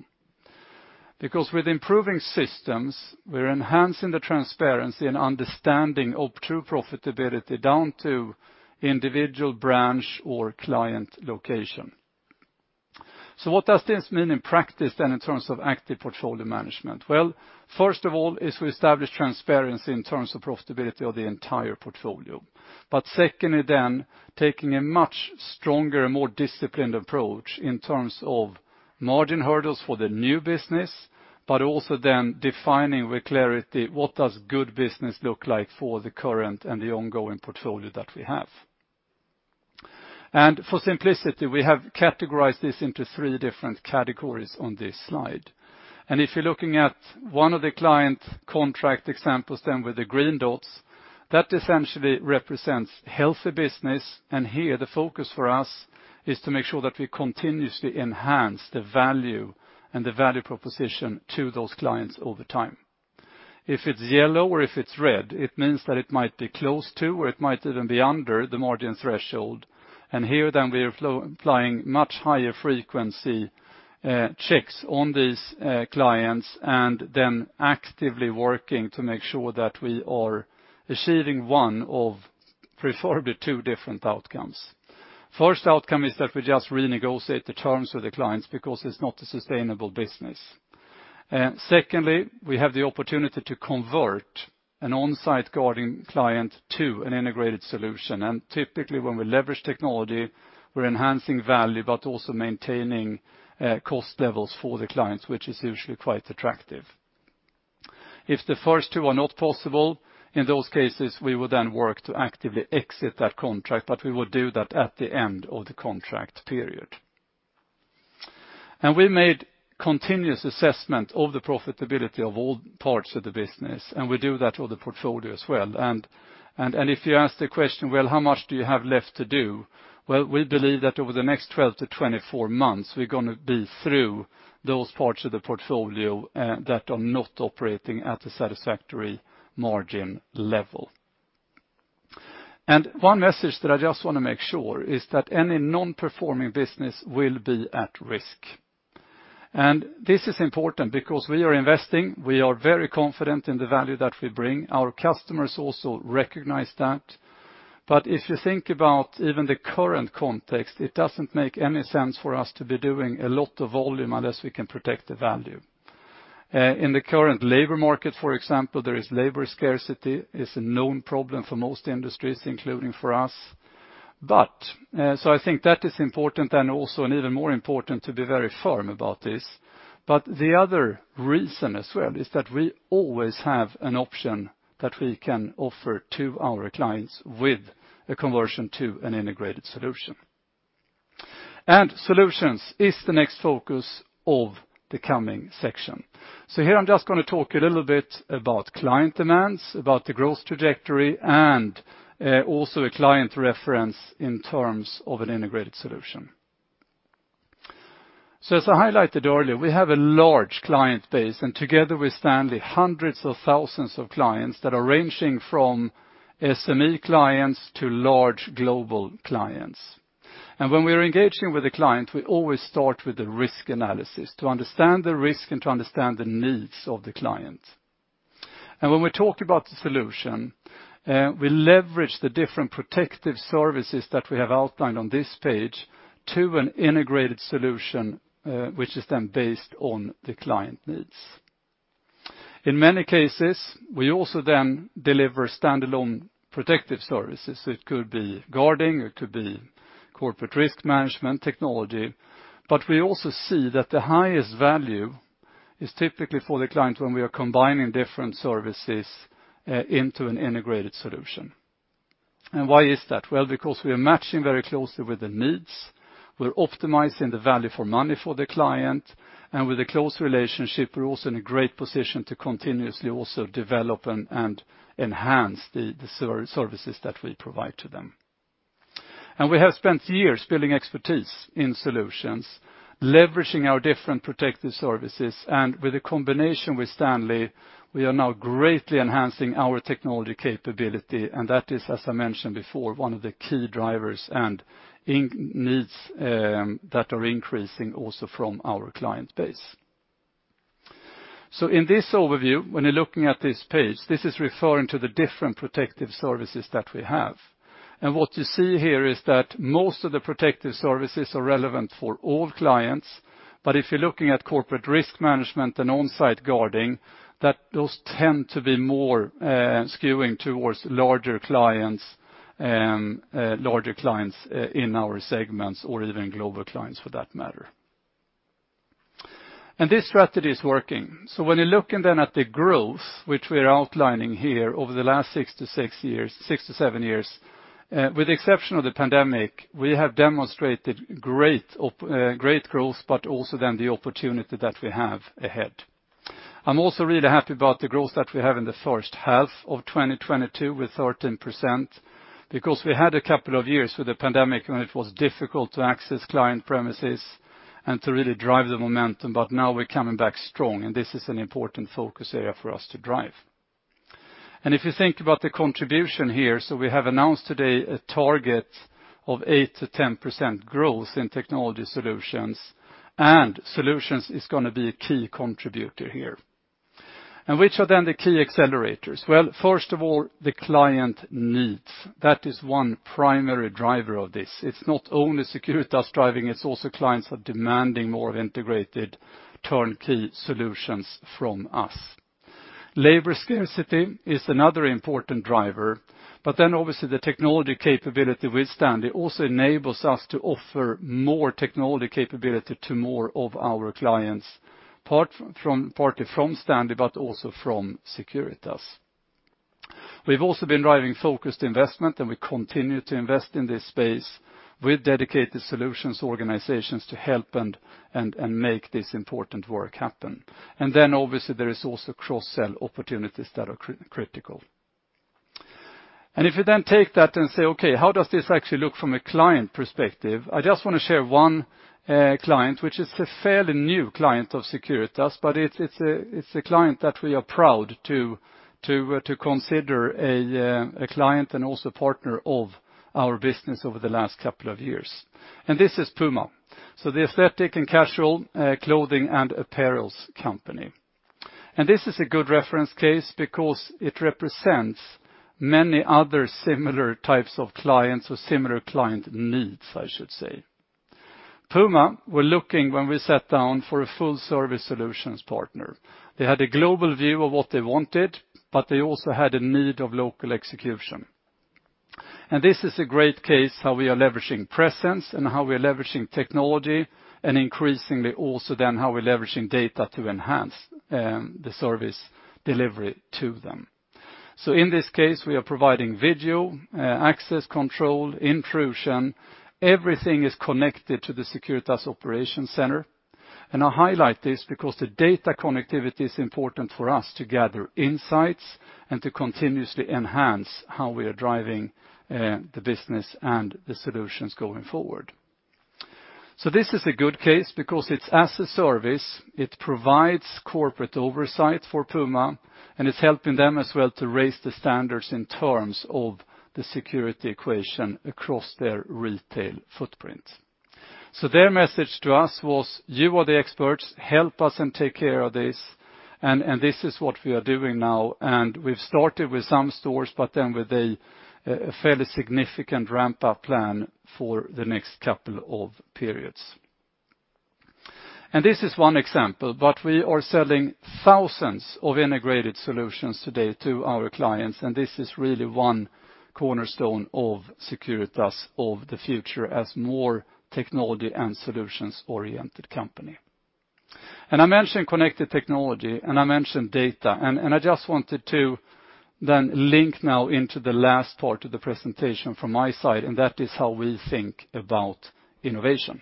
Because with improving systems, we're enhancing the transparency and understanding of true profitability down to individual branch or client location. What does this mean in practice then in terms of active portfolio management? Well, first of all, we establish transparency in terms of profitability of the entire portfolio. Secondly then, taking a much stronger and more disciplined approach in terms of margin hurdles for the new business, but also then defining with clarity what does good business look like for the current and the ongoing portfolio that we have. For simplicity, we have categorized this into three different categories on this slide. If you're looking at one of the client contract examples then with the green dots, that essentially represents healthy business. Here the focus for us is to make sure that we continuously enhance the value and the value proposition to those clients over time. If it's yellow or if it's red, it means that it might be close to or it might even be under the margin threshold. Here then we are applying much higher frequency checks on these clients and then actively working to make sure that we are achieving one of preferably two different outcomes. First outcome is that we just renegotiate the terms with the clients because it's not a sustainable business. Secondly, we have the opportunity to convert an on-site guarding client to an integrated solution. Typically, when we leverage technology, we're enhancing value, but also maintaining cost levels for the clients, which is usually quite attractive. If the first two are not possible, in those cases, we would then work to actively exit that contract, but we would do that at the end of the contract period. We made continuous assessment of the profitability of all parts of the business, and we do that with the portfolio as well. If you ask the question, well, how much do you have left to do? Well, we believe that over the next 12-24 months, we're gonna be through those parts of the portfolio that are not operating at a satisfactory margin level. One message that I just want to make sure is that any non-performing business will be at risk. This is important because we are investing, we are very confident in the value that we bring. Our customers also recognize that. If you think about even the current context, it doesn't make any sense for us to be doing a lot of volume unless we can protect the value. In the current labor market, for example, there is labor scarcity, it's a known problem for most industries, including for us. I think that is important and also even more important to be very firm about this. The other reason as well is that we always have an option that we can offer to our clients with a conversion to an integrated solution. Solutions is the next focus of the coming section. Here I'm just gonna talk a little bit about client demands, about the growth trajectory, and also a client reference in terms of an integrated solution. As I highlighted earlier, we have a large client base, and together with Stanley, hundreds of thousands of clients that are ranging from SME clients to large global clients. When we are engaging with the client, we always start with the risk analysis to understand the risk and to understand the needs of the client. When we talk about the solution, we leverage the different protective services that we have outlined on this page to an integrated solution, which is then based on the client needs. In many cases, we also then deliver standalone protective services. It could be guarding, it could be corporate risk management technology. We also see that the highest value is typically for the client when we are combining different services into an integrated solution. Why is that? Well, because we are matching very closely with the needs, we're optimizing the value for money for the client, and with a close relationship, we're also in a great position to continuously also develop and enhance the services that we provide to them. We have spent years building expertise in solutions, leveraging our different protective services, and with a combination with Stanley, we are now greatly enhancing our technology capability, and that is, as I mentioned before, one of the key drivers and in-needs that are increasing also from our client base. In this overview, when you're looking at this page, this is referring to the different protective services that we have. What you see here is that most of the protective services are relevant for all clients, but if you're looking at corporate risk management and on-site guarding, those tend to be more skewing towards larger clients in our segments or even global clients for that matter. This strategy is working. When you're looking then at the growth, which we're outlining here over the last six to seven years, with the exception of the pandemic, we have demonstrated great growth, but also then the opportunity that we have ahead. I'm also really happy about the growth that we have in the first half of 2022 with 13% because we had a couple of years with the pandemic when it was difficult to access client premises and to really drive the momentum. Now we're coming back strong, and this is an important focus area for us to drive. If you think about the contribution here, we have announced today a target of 8%-10% growth in technology solutions, and solutions is gonna be a key contributor here. Which are then the key accelerators? Well, first of all, the client needs. That is one primary driver of this. It's not only Securitas driving, it's also clients are demanding more integrated turnkey solutions from us. Labor scarcity is another important driver, but then obviously the technology capability with Stanley also enables us to offer more technology capability to more of our clients, partly from Stanley, but also from Securitas. We've also been driving focused investment, and we continue to invest in this space with dedicated solutions organizations to help and make this important work happen. Then obviously, there is also cross-sell opportunities that are critical. If you then take that and say, "Okay, how does this actually look from a client perspective?" I just wanna share one client, which is a fairly new client of Securitas, but it's a client that we are proud to consider a client and also partner of our business over the last couple of years. This is Puma, so the athletic and casual clothing and apparel company. This is a good reference case because it represents many other similar types of clients or similar client needs, I should say. Puma was looking for a full-service solutions partner. They had a global view of what they wanted, but they also had a need of local execution. This is a great case how we are leveraging presence and how we are leveraging technology and increasingly also then how we're leveraging data to enhance the service delivery to them. In this case, we are providing video access control, intrusion. Everything is connected to the Securitas operation center. I highlight this because the data connectivity is important for us to gather insights and to continuously enhance how we are driving the business and the solutions going forward. This is a good case because it's as a service, it provides corporate oversight for Puma, and it's helping them as well to raise the standards in terms of the security equation across their retail footprint. Their message to us was, "You are the experts, help us and take care of this," and this is what we are doing now. We've started with some stores, but then with a fairly significant ramp-up plan for the next couple of periods. This is one example, but we are selling thousands of integrated solutions today to our clients, and this is really one cornerstone of Securitas of the future as more Technology and Solutions-oriented company. I mentioned connected technology, and I mentioned data, and I just wanted to then link now into the last part of the presentation from my side, and that is how we think about innovation.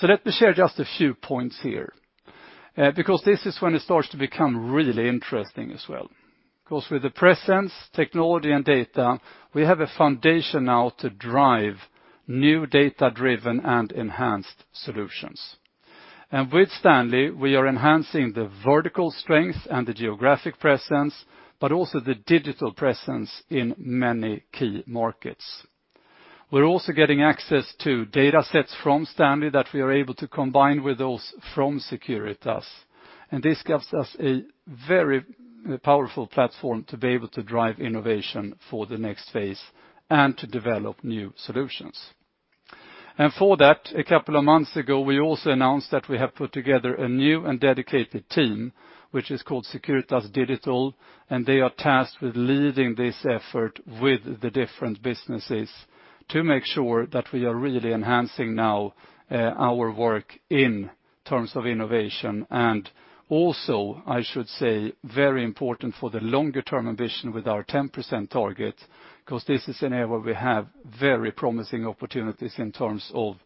Let me share just a few points here. Because this is when it starts to become really interesting as well. Of course, with the presence, technology, and data, we have a foundation now to drive new data-driven and enhanced solutions. With Stanley, we are enhancing the vertical strength and the geographic presence, but also the digital presence in many key markets. We're also getting access to data sets from Stanley that we are able to combine with those from Securitas, and this gives us a very powerful platform to be able to drive innovation for the next phase and to develop new solutions. For that, a couple of months ago, we also announced that we have put together a new and dedicated team, which is called Securitas Digital, and they are tasked with leading this effort with the different businesses to make sure that we are really enhancing now, our work in terms of innovation. I should say, very important for the longer term ambition with our 10% target because this is an area where we have very promising opportunities in terms of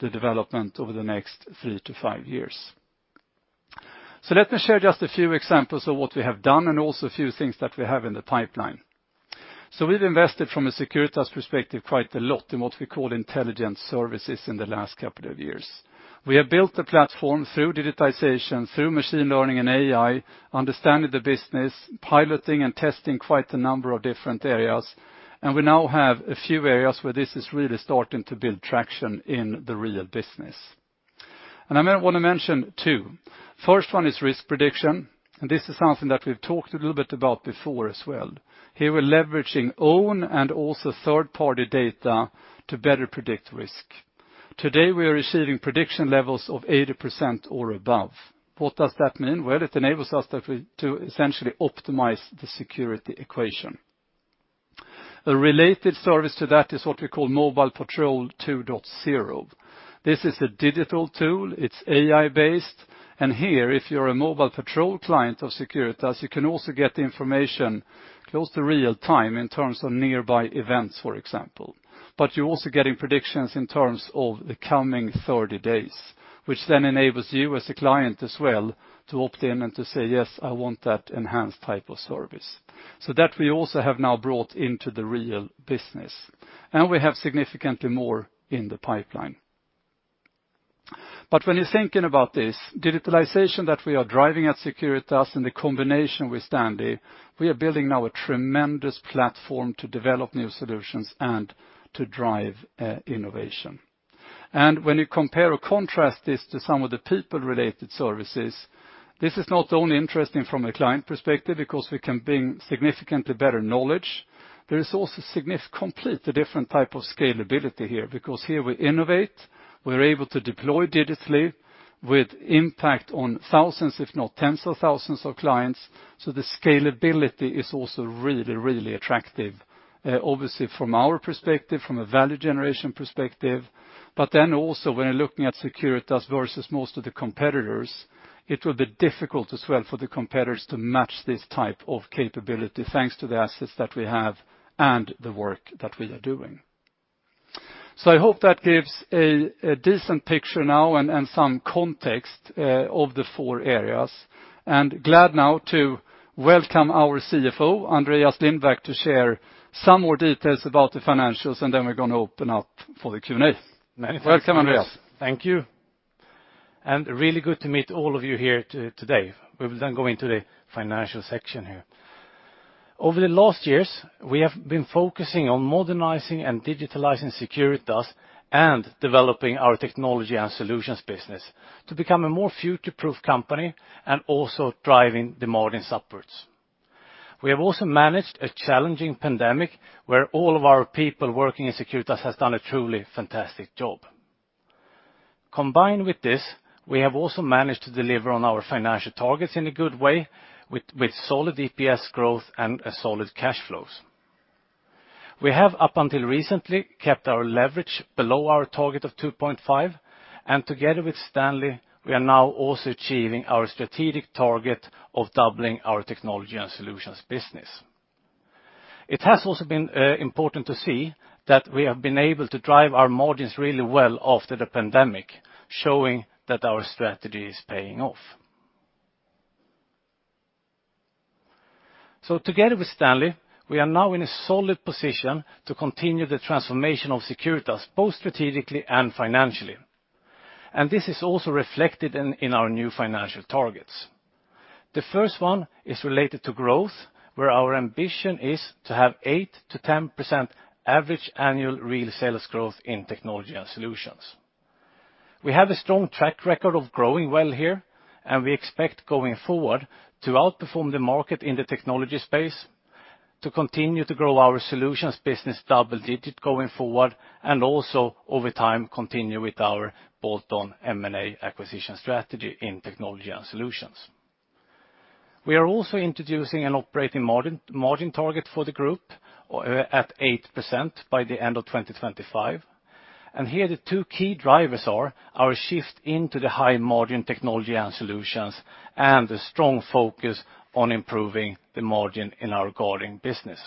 the development over the next 3-5 years. Let me share just a few examples of what we have done and also a few things that we have in the pipeline. We've invested from a Securitas perspective quite a lot in what we call intelligent services in the last couple of years. We have built a platform through digitization, through machine learning and AI, understanding the business, piloting and testing quite a number of different areas, and we now have a few areas where this is really starting to build traction in the real business. I might want to mention two. First one is risk prediction, and this is something that we've talked a little bit about before as well. Here we're leveraging own and also third-party data to better predict risk. Today, we are receiving prediction levels of 80% or above. What does that mean? Well, it enables us to essentially optimize the security equation. A related service to that is what we call Mobile Patrol 2.0. This is a digital tool. It's AI-based. Here, if you're a Mobile Patrol client of Securitas, you can also get information close to real-time in terms of nearby events, for example. You're also getting predictions in terms of the coming 30 days, which then enables you as a client as well to opt in and to say, "Yes, I want that enhanced type of service." That we also have now brought into the real business, and we have significantly more in the pipeline. When you're thinking about this, digitalization that we are driving at Securitas in the combination with Stanley, we are building now a tremendous platform to develop new solutions and to drive, innovation. When you compare or contrast this to some of the people-related services, this is not only interesting from a client perspective because we can bring significantly better knowledge. There is also completely different type of scalability here because here we innovate, we're able to deploy digitally with impact on thousands, if not tens of thousands of clients. The scalability is also really attractive, obviously from our perspective, from a value generation perspective. When you're looking at Securitas versus most of the competitors, it will be difficult as well for the competitors to match this type of capability, thanks to the assets that we have and the work that we are doing. I hope that gives a decent picture now and some context of the four areas. Glad now to welcome our CFO, Andreas Lindbäck, to share some more details about the financials, and then we're gonna open up for the Q&A. Welcome, Andreas. Thank you. Really good to meet all of you here today. We will then go into the financial section here. Over the last years, we have been focusing on modernizing and digitalizing Securitas and developing our Technology and Solutions business to become a more future-proof company and also driving the margins upwards. We have also managed a challenging pandemic where all of our people working in Securitas has done a truly fantastic job. Combined with this, we have also managed to deliver on our financial targets in a good way with solid EPS growth and solid cash flows. We have, up until recently, kept our leverage below our target of 2.5x, and together with Stanley, we are now also achieving our strategic target of doubling our Technology and Solutions business. It has also been important to see that we have been able to drive our margins really well after the pandemic, showing that our strategy is paying off. Together with Stanley, we are now in a solid position to continue the transformation of Securitas, both strategically and financially. This is also reflected in our new financial targets. The first one is related to growth, where our ambition is to have 8%-10% average annual real sales growth in Technology and Solutions. We have a strong track record of growing well here, and we expect going forward to outperform the market in the technology space, to continue to grow our solutions business double-digit going forward, and also over time, continue with our bolt-on M&A acquisition strategy in Technology and Solutions. We are also introducing an operating margin target for the group of 8% by the end of 2025. Here the two key drivers are our shift into the high-margin Technology and Solutions and a strong focus on improving the margin in our guarding business.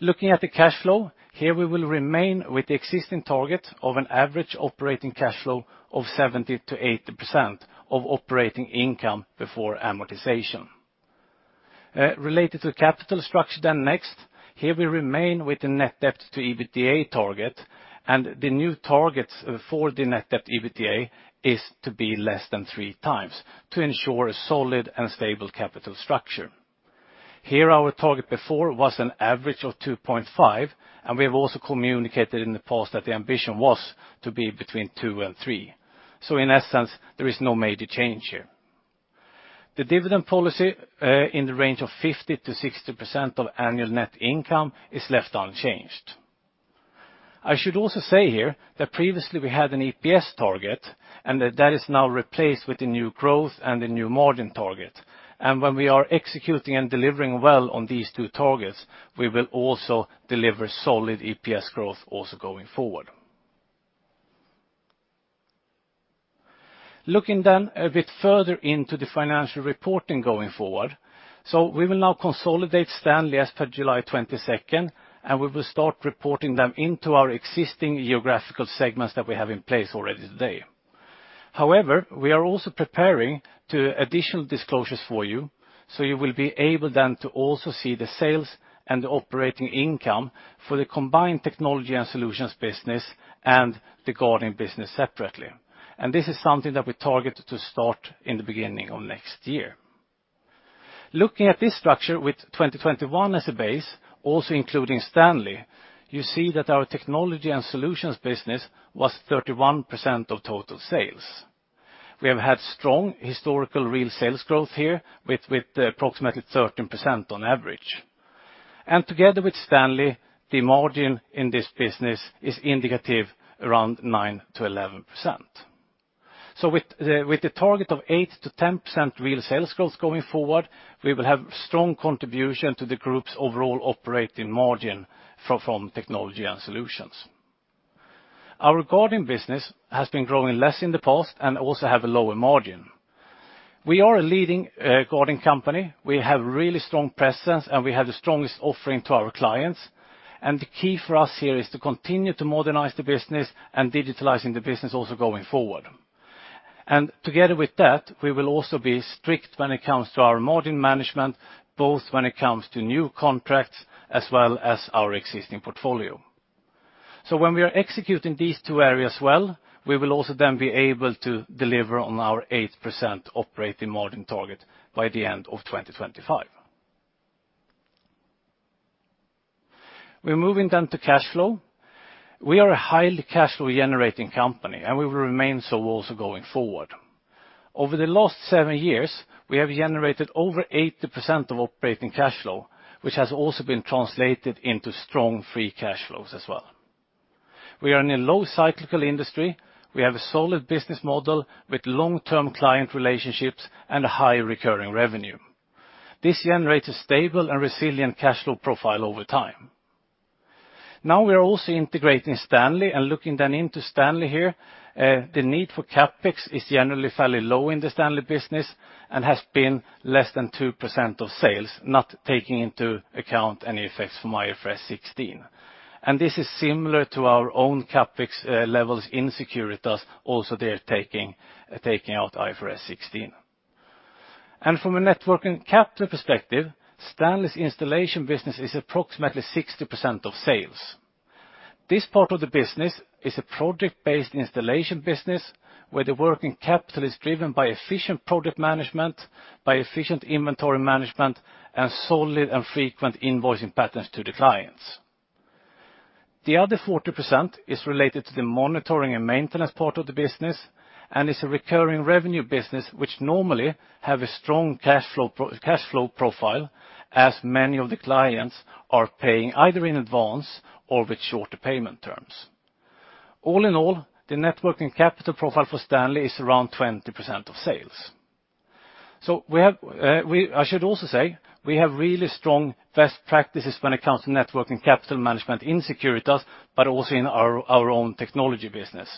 Looking at the cash flow, here we will remain with the existing target of an average operating cash flow of 70%-80% of operating income before amortization. Related to capital structure, next, here we remain with the net debt to EBITDA target, and the new targets for the net debt to EBITDA is to be less than 3x to ensure a solid and stable capital structure. Here our target before was an average of 2.5x, and we have also communicated in the past that the ambition was to be between 2x and 3x. In essence, there is no major change here. The dividend policy in the range of 50%-60% of annual net income is left unchanged. I should also say here that previously we had an EPS target, and that is now replaced with the new growth and the new margin target. When we are executing and delivering well on these two targets, we will also deliver solid EPS growth also going forward. Looking then a bit further into the financial reporting going forward. We will now consolidate Stanley as per July 22nd, and we will start reporting them into our existing geographical segments that we have in place already today. However, we are also preparing additional disclosures for you, so you will be able then to also see the sales and the operating income for the combined Technology and Solutions business and the guarding business separately. This is something that we target to start in the beginning of next year. Looking at this structure with 2021 as a base, also including Stanley, you see that our Technology and Solutions business was 31% of total sales. We have had strong historical real sales growth here with approximately 13% on average. Together with Stanley, the margin in this business is indicative around 9%-11%. With the target of 8%-10% real sales growth going forward, we will have strong contribution to the group's overall operating margin from Technology and Solutions. Our guarding business has been growing less in the past and also have a lower margin. We are a leading guarding company. We have really strong presence, and we have the strongest offering to our clients. The key for us here is to continue to modernize the business and digitalizing the business also going forward. Together with that, we will also be strict when it comes to our margin management, both when it comes to new contracts as well as our existing portfolio. When we are executing these two areas well, we will also then be able to deliver on our 8% operating margin target by the end of 2025. We're moving then to cash flow. We are a highly cash flow generating company, and we will remain so also going forward. Over the last seven years, we have generated over 80% of operating cash flow, which has also been translated into strong free cash flows as well. We are in a low cyclical industry. We have a solid business model with long-term client relationships and a high recurring revenue. This generates a stable and resilient cash flow profile over time. Now we are also integrating Stanley, and looking then into Stanley here, the need for CapEx is generally fairly low in the Stanley business and has been less than 2% of sales, not taking into account any effects from IFRS 16. This is similar to our own CapEx levels in Securitas, also there taking out IFRS 16. From a net working capital perspective, Stanley's installation business is approximately 60% of sales. This part of the business is a project-based installation business, where the working capital is driven by efficient project management, by efficient inventory management, and solid and frequent invoicing patterns to the clients. The other 40% is related to the monitoring and maintenance part of the business, and it's a recurring revenue business which normally have a strong cash flow positive cash flow profile, as many of the clients are paying either in advance or with shorter payment terms. All in all, the net working capital profile for Stanley is around 20% of sales. We have, I should also say we have really strong best practices when it comes to net working capital management in Securitas, but also in our own technology business.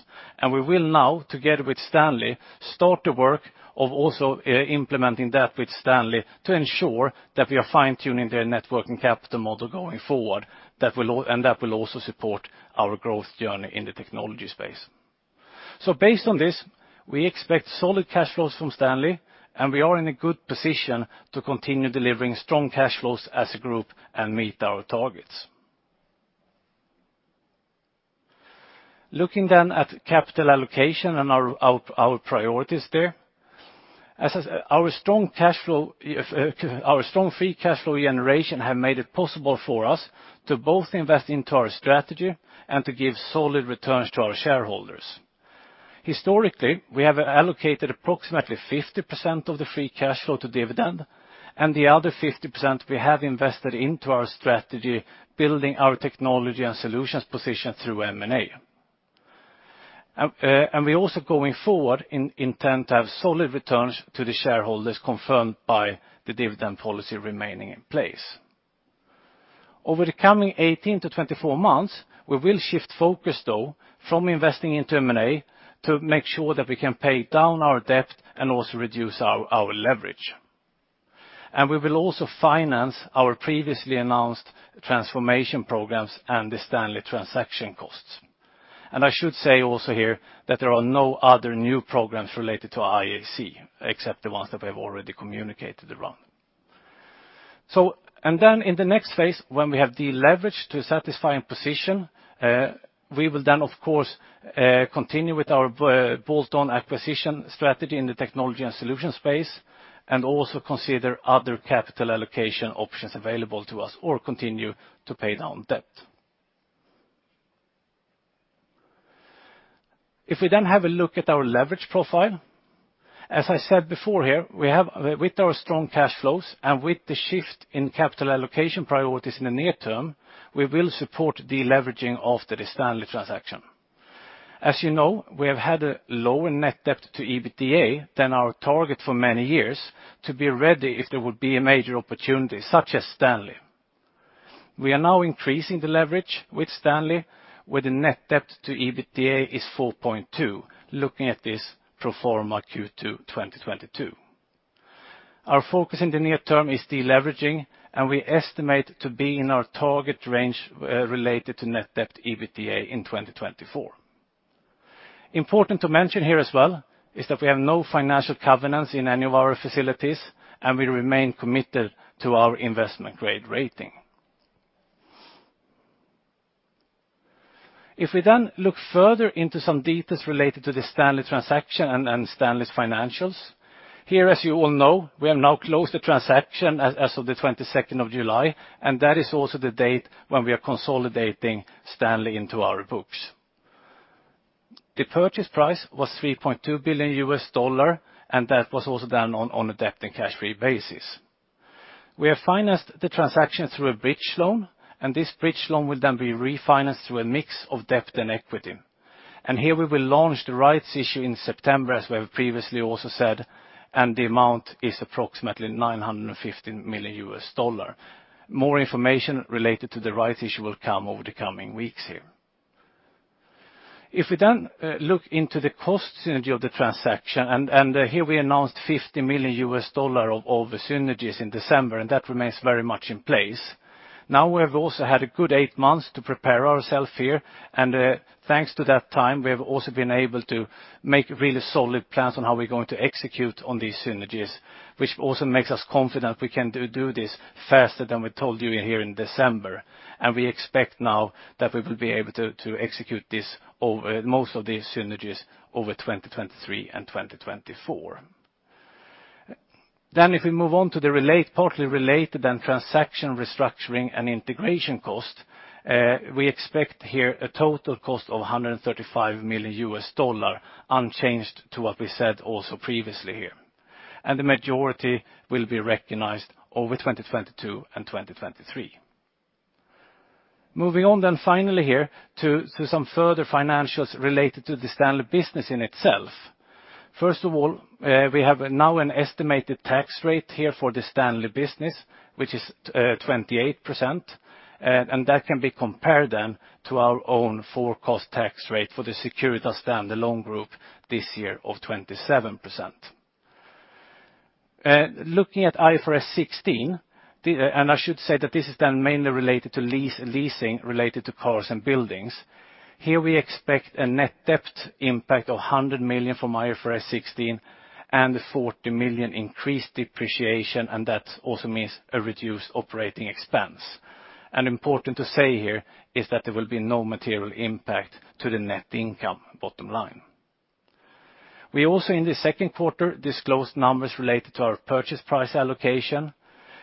We will now, together with Stanley, start the work of also implementing that with Stanley to ensure that we are fine-tuning their net working capital model going forward, that will also support our growth journey in the technology space. Based on this, we expect solid cash flows from Stanley, and we are in a good position to continue delivering strong cash flows as a group and meet our targets. Looking at capital allocation and our priorities there. Our strong free cash flow generation have made it possible for us to both invest into our strategy and to give solid returns to our shareholders. Historically, we have allocated approximately 50% of the free cash flow to dividend, and the other 50% we have invested into our strategy, building our Technology and Solutions position through M&A. We also going forward intend to have solid returns to the shareholders confirmed by the dividend policy remaining in place. Over the coming 18-24 months, we will shift focus though from investing into M&A to make sure that we can pay down our debt and also reduce our leverage. We will also finance our previously announced transformation programs and the Stanley transaction costs. I should say also here that there are no other new programs related to IAC, except the ones that we have already communicated around. Then in the next phase, when we have deleveraged to a satisfying position, we will then, of course, continue with our bolt-on acquisition strategy in the technology and solution space, and also consider other capital allocation options available to us or continue to pay down debt. If we then have a look at our leverage profile, as I said before here, with our strong cash flows and with the shift in capital allocation priorities in the near term, we will support deleveraging after the Stanley transaction. As you know, we have had a lower net debt to EBITDA than our target for many years to be ready if there would be a major opportunity such as Stanley. We are now increasing the leverage with Stanley, where the net debt to EBITDA is 4.2x, looking at this pro forma Q2 2022. Our focus in the near term is deleveraging, and we estimate to be in our target range related to net debt EBITDA in 2024. Important to mention here as well is that we have no financial covenants in any of our facilities, and we remain committed to our investment grade rating. If we then look further into some details related to the Stanley transaction and Stanley's financials. Here, as you all know, we have now closed the transaction as of the 22nd of July, and that is also the date when we are consolidating Stanley into our books. The purchase price was $3.2 billion, and that was also done on a debt and cash-free basis. We have financed the transaction through a bridge loan, and this bridge loan will then be refinanced through a mix of debt and equity. Here, we will launch the rights issue in September, as we have previously also said, and the amount is approximately $950 million. More information related to the rights issue will come over the coming weeks here. If we then look into the cost synergy of the transaction, and here we announced $50 million of all the synergies in December, and that remains very much in place. Now we have also had a good eight months to prepare ourselves here, and thanks to that time, we have also been able to make really solid plans on how we're going to execute on these synergies, which also makes us confident we can do this faster than we told you here in December. We expect now that we will be able to execute this over most of these synergies over 2023 and 2024. If we move on to the partly related and transaction restructuring and integration cost, we expect here a total cost of $135 million unchanged to what we said also previously here. The majority will be recognized over 2022 and 2023. Moving on finally to some further financials related to the Stanley business in itself. First of all, we have now an estimated tax rate here for the Stanley business, which is 28%. That can be compared then to our own forecast tax rate for the Securitas Stanley combined group this year of 27%. Looking at IFRS 16, I should say that this is then mainly related to leasing related to cars and buildings. Here we expect a net debt impact of 100 million from IFRS 16 and 40 million increased depreciation, and that also means a reduced operating expense. Important to say here is that there will be no material impact to the net income bottom line. We also in the second quarter disclosed numbers related to our purchase price allocation.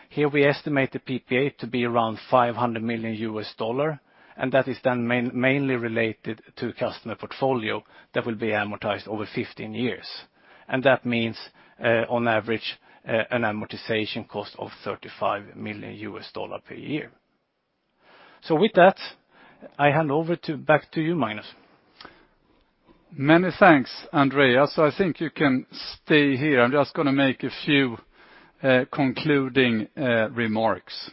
Here we estimate the PPA to be around $500 million, and that is then mainly related to customer portfolio that will be amortized over 15 years. That means, on average, an amortization cost of $35 million per year. With that, I hand over back to you, Magnus. Many thanks, Andreas. I think you can stay here. I'm just going to make a few concluding remarks.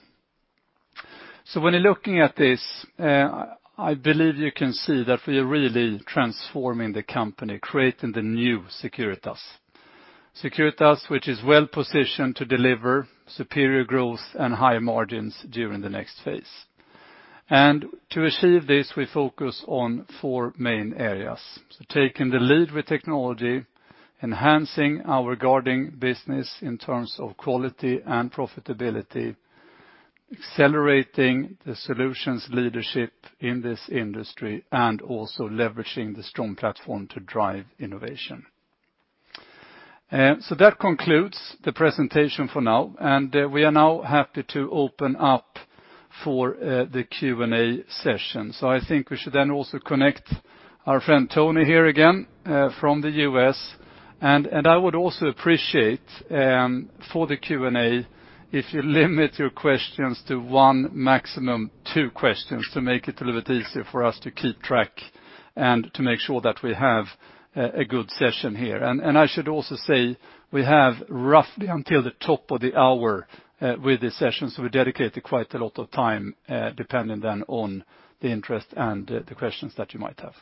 When you're looking at this, I believe you can see that we are really transforming the company, creating the new Securitas. Securitas, which is well-positioned to deliver superior growth and higher margins during the next phase. To achieve this, we focus on four main areas. Taking the lead with technology, enhancing our guarding business in terms of quality and profitability, accelerating the solutions leadership in this industry, and also leveraging the strong platform to drive innovation. That concludes the presentation for now, and we are now happy to open up for the Q&A session. I think we should then also connect our friend Tony here again from the U.S. I would also appreciate for the Q&A, if you limit your questions to one, maximum two questions to make it a little bit easier for us to keep track and to make sure that we have a good session here. I should also say we have roughly until the top of the hour with this session, so we dedicated quite a lot of time, depending then on the interest and the questions that you might have.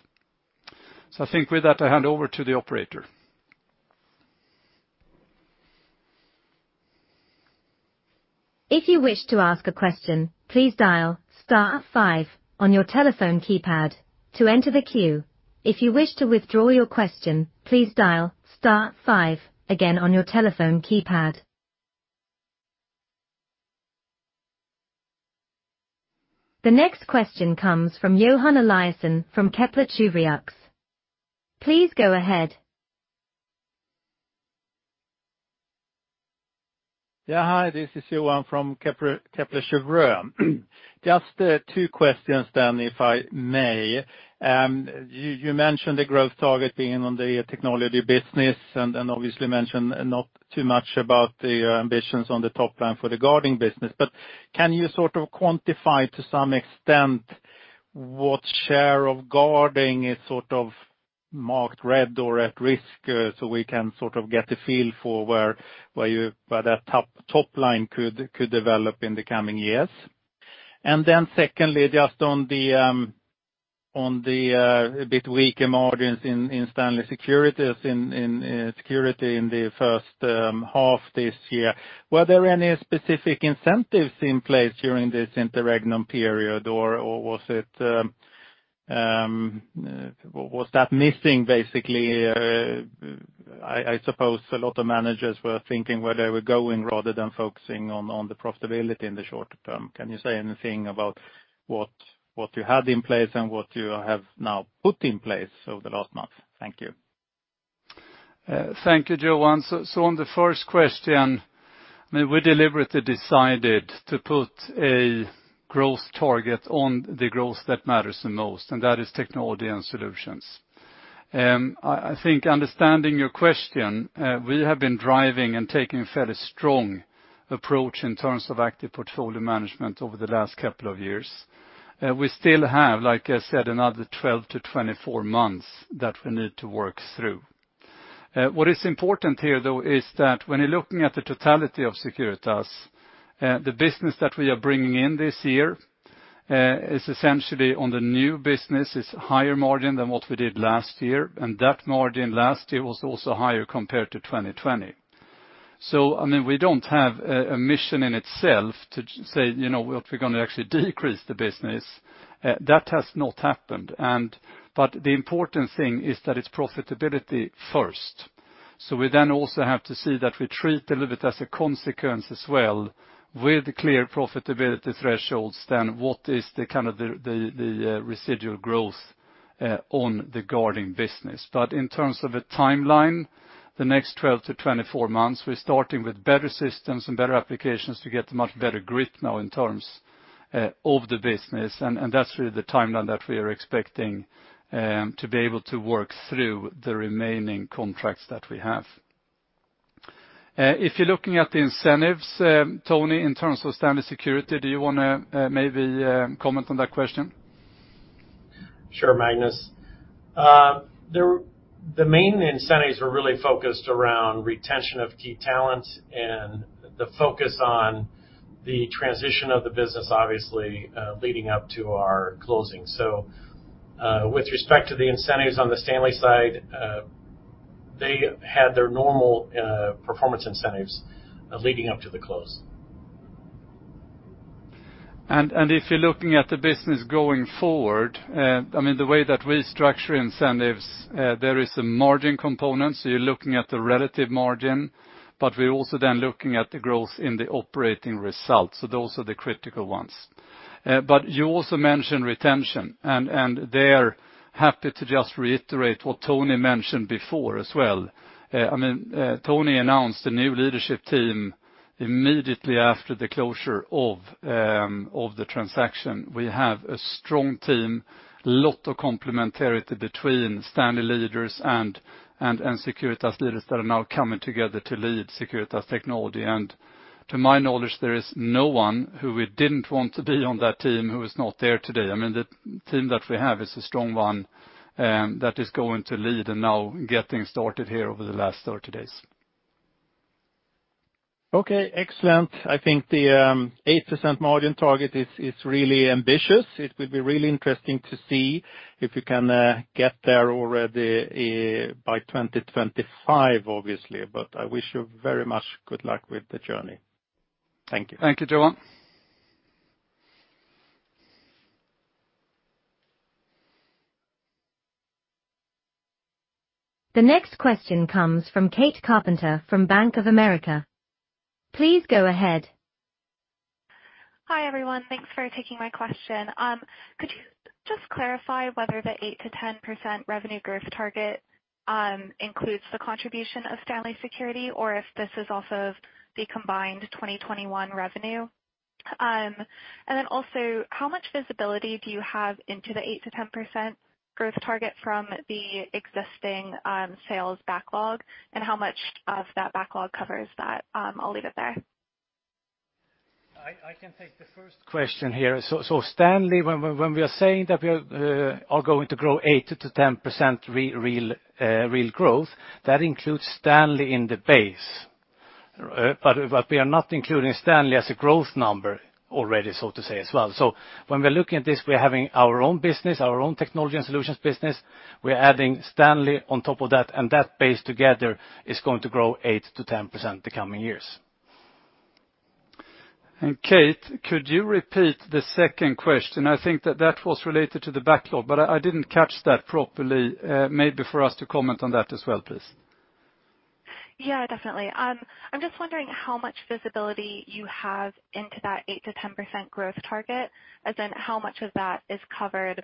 I think with that, I hand over to the operator. If you wish to ask a question, please dial star five on your telephone keypad to enter the queue. If you wish to withdraw your question, please dial star five again on your telephone keypad. The next question comes from Johan Eliason from Kepler Cheuvreux. Please go ahead. Yeah. Hi, this is Johan Eliason from Kepler Cheuvreux. Just two questions then if I may. You mentioned the growth target being on the technology business and obviously mentioned not too much about the ambitions on the top line for the guarding business. Can you sort of quantify to some extent what share of guarding is sort of marked red or at risk, so we can sort of get a feel for where that top line could develop in the coming years? Then secondly, just on a bit weaker margins in Stanley Security's security in the first half this year. Were there any specific incentives in place during this interregnum period? Or was that missing basically? I suppose a lot of managers were thinking where they were going rather than focusing on the profitability in the short term. Can you say anything about what you had in place and what you have now put in place over the last month? Thank you. Thank you, Johan. On the first question, I mean, we deliberately decided to put a growth target on the growth that matters the most, and that is Technology and Solutions. I think understanding your question, we have been driving and taking a fairly strong approach in terms of active portfolio management over the last couple of years. We still have, like I said, another 12-24 months that we need to work through. What is important here, though, is that when you're looking at the totality of Securitas, the business that we are bringing in this year is essentially on the new business is higher margin than what we did last year, and that margin last year was also higher compared to 2020. I mean, we don't have a mission in itself to just say, you know, well, we're gonna actually decrease the business. That has not happened. The important thing is that it's profitability first. We then also have to see that we treat a little bit as a consequence as well with clear profitability thresholds than what is the kind of the residual growth on the guarding business. In terms of a timeline, the next 12-24 months, we're starting with better systems and better applications to get a much better grip now in terms of the business. That's really the timeline that we are expecting to be able to work through the remaining contracts that we have. If you're looking at the incentives, Tony, in terms of Stanley Security, do you wanna maybe comment on that question? Sure, Magnus. The main incentives were really focused around retention of key talent and the focus on the transition of the business, obviously, leading up to our closing. With respect to the incentives on the Stanley side, they had their normal performance incentives leading up to the close. If you're looking at the business going forward, I mean, the way that we structure incentives, there is some margin components. You're looking at the relative margin, but we're also then looking at the growth in the operating results. Those are the critical ones. You also mentioned retention. There, happy to just reiterate what Tony mentioned before as well. I mean, Tony announced a new leadership team immediately after the closure of the transaction. We have a strong team, lot of complementarity between Stanley leaders and Securitas leaders that are now coming together to lead Securitas Technology. To my knowledge, there is no one who we didn't want to be on that team who is not there today. I mean, the team that we have is a strong one, that is going to lead and now getting started here over the last 30 days. Okay, excellent. I think the 8% margin target is really ambitious. It will be really interesting to see if you can get there already by 2025, obviously. I wish you very much good luck with the journey. Thank you. Thank you, Johan. The next question comes from Kate Carpenter from Bank of America. Please go ahead. Hi, everyone. Thanks for taking my question. Could you just clarify whether the 8%-10% revenue growth target includes the contribution of Stanley Security or if this is also the combined 2021 revenue? Also, how much visibility do you have into the 8%-10% growth target from the existing sales backlog? How much of that backlog covers that? I'll leave it there. I can take the first question here. Stanley, when we are saying that we are going to grow 8%-10% real growth, that includes Stanley in the base. We are not including Stanley as a growth number already, so to say as well. When we're looking at this, we're having our own business, our own Technology and Solutions business. We're adding Stanley on top of that, and that base together is going to grow 8%-10% the coming years. Kate, could you repeat the second question? I think that was related to the backlog, but I didn't catch that properly. Maybe for us to comment on that as well, please. Yeah, definitely. I'm just wondering how much visibility you have into that 8%-10% growth target, as in how much of that is covered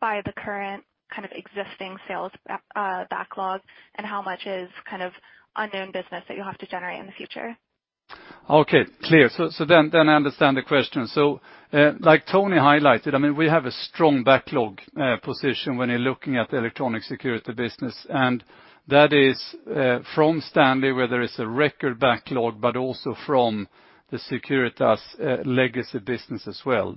by the current kind of existing sales backlog, and how much is kind of unknown business that you have to generate in the future? Okay, clear. I understand the question. Like Tony highlighted, I mean, we have a strong backlog position when you're looking at the electronic security business, and that is from Stanley, where there is a record backlog, but also from the Securitas legacy business as well.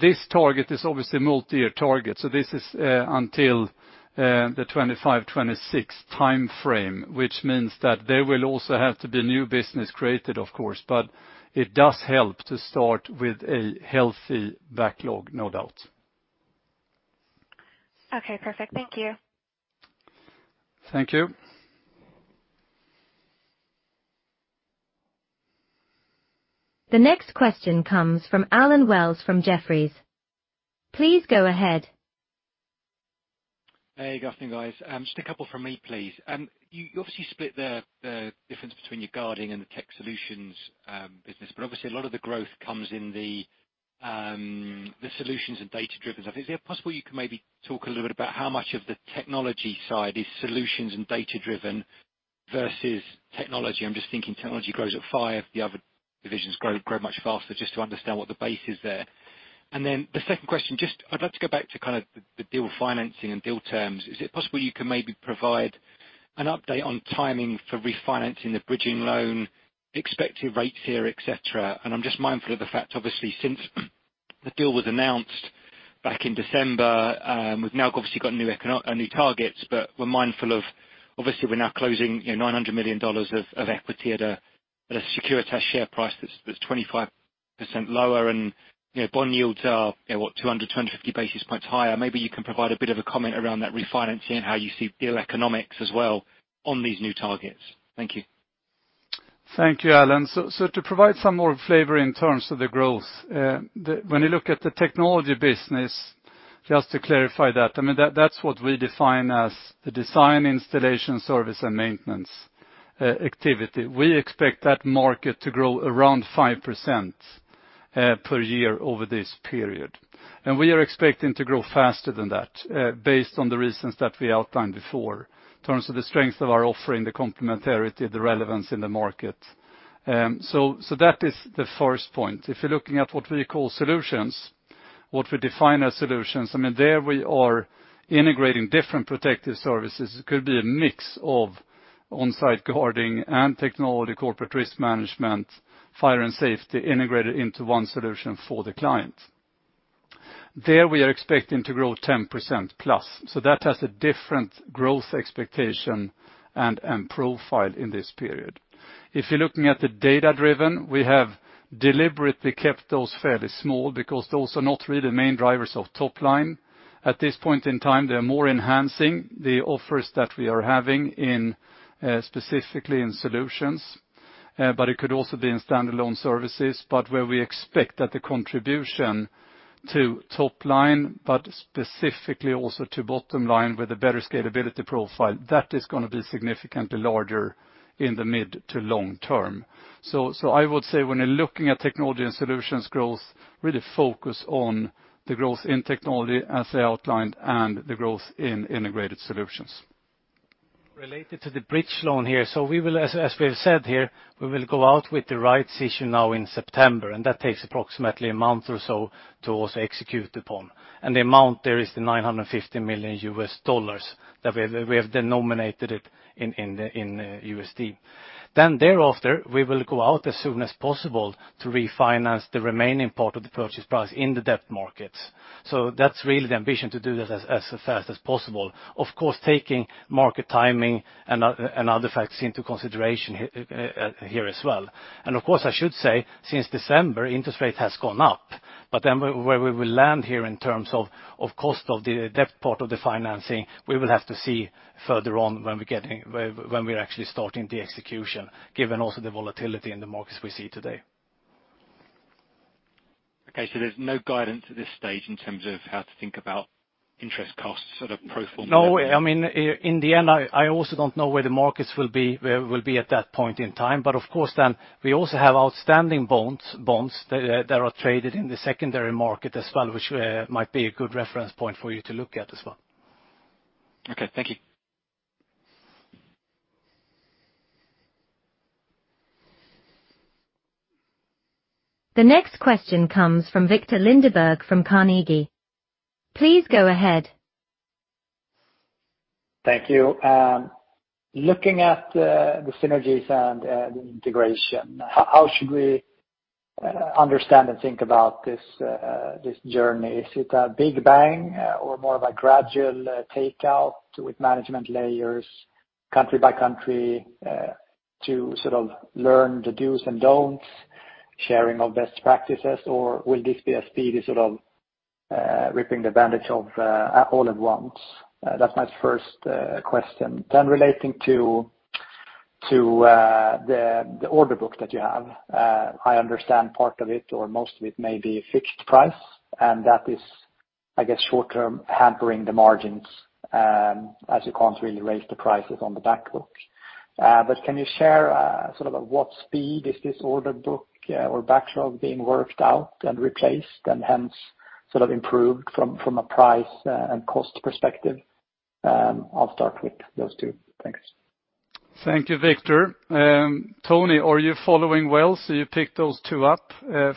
This target is obviously a multi-year target, so this is until the 25, 26 timeframe, which means that there will also have to be new business created, of course. It does help to start with a healthy backlog, no doubt. Okay, perfect. Thank you. Thank you. The next question comes from Allen Wells from Jefferies. Please go ahead. Hey, good afternoon, guys. Just a couple from me, please. You obviously split the difference between your guarding and the tech solutions business, but obviously a lot of the growth comes in the solutions and data-driven stuff. Is it possible you can maybe talk a little bit about how much of the technology side is solutions and data-driven versus technology? I'm just thinking technology grows at 5%, the other divisions grow much faster, just to understand what the base is there. The second question, just I'd like to go back to kind of the deal financing and deal terms. Is it possible you can maybe provide an update on timing for refinancing the bridging loan, expected rates here, et cetera? I'm just mindful of the fact, obviously, since the deal was announced back in December, we've now obviously got new targets, but we're mindful of obviously we're now closing, you know, $900 million of equity at a Securitas share price that's 25% lower. You know, bond yields are 250 basis points higher. Maybe you can provide a bit of a comment around that refinancing and how you see deal economics as well on these new targets. Thank you. Thank you, Allen. To provide some more flavor in terms of the growth, when you look at the technology business, just to clarify that, I mean, that's what we define as the design, installation, service, and maintenance activity. We expect that market to grow around 5% per year over this period. We are expecting to grow faster than that, based on the reasons that we outlined before, in terms of the strength of our offering, the complementarity, the relevance in the market. That is the first point. If you're looking at what we call solutions, what we define as solutions, I mean, there we are integrating different protective services. It could be a mix of on-site guarding and technology, corporate risk management, fire and safety integrated into one solution for the client. There, we are expecting to grow 10%+. That has a different growth expectation and profile in this period. If you're looking at the data-driven, we have deliberately kept those fairly small because those are not really main drivers of top line. At this point in time, they're more enhancing the offers that we are having in, specifically in solutions, but it could also be in standalone services. Where we expect that the contribution to top line, but specifically also to bottom line with a better scalability profile, that is gonna be significantly larger in the mid to long term. I would say when you're looking at Technology and Solutions growth, really focus on the growth in technology as I outlined and the growth in integrated solutions. Related to the bridge loan here. We will, as we have said here, we will go out with the rights issue now in September, and that takes approximately a month or so to also execute upon. The amount there is the $950 million that we have denominated it in USD. Thereafter, we will go out as soon as possible to refinance the remaining part of the purchase price in the debt markets. That's really the ambition to do this as fast as possible. Of course, taking market timing and other facts into consideration here as well. Of course, I should say since December, interest rate has gone up. Where we will land here in terms of cost of the debt part of the financing, we will have to see further on when we're actually starting the execution, given also the volatility in the markets we see today. There's no guidance at this stage in terms of how to think about interest costs sort of pro forma. No, I mean, in the end, I also don't know where the markets will be, where we'll be at that point in time. Of course then we also have outstanding bonds that are traded in the secondary market as well, which might be a good reference point for you to look at as well. Okay. Thank you. The next question comes from Viktor Lindeberg from Carnegie. Please go ahead. Thank you. Looking at the synergies and the integration, how should we understand and think about this journey. Is it a big bang or more of a gradual takeout with management layers country by country, to sort of learn the do's and don'ts, sharing of best practices, or will this be a speedy sort of, ripping the bandage off, all at once? That's my first question. Relating to the order book that you have. I understand part of it or most of it may be fixed price, and that is, I guess, short-term hampering the margins, as you can't really raise the prices on the back books. Can you share sort of at what speed is this order book or backlog being worked out and replaced and hence sort of improved from a price and cost perspective? I'll start with those two. Thanks. Thank you, Viktor. Tony, are you following well? You pick those two up.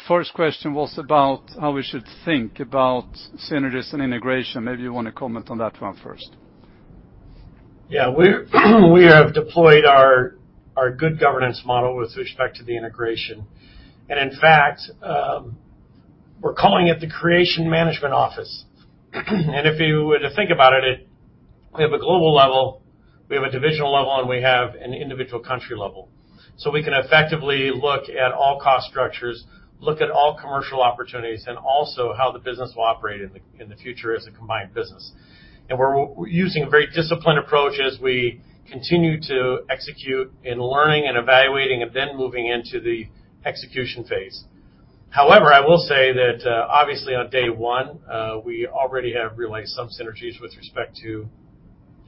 First question was about how we should think about synergies and integration. Maybe you wanna comment on that one first. We have deployed our good governance model with respect to the integration. In fact, we're calling it the integration management office. If you were to think about it, we have a global level, we have a divisional level, and we have an individual country level. We can effectively look at all cost structures, look at all commercial opportunities, and also how the business will operate in the future as a combined business. We're using a very disciplined approach as we continue executing, learning and evaluating, and then moving into the execution phase. However, I will say that, obviously on day one, we already have realized some synergies with respect to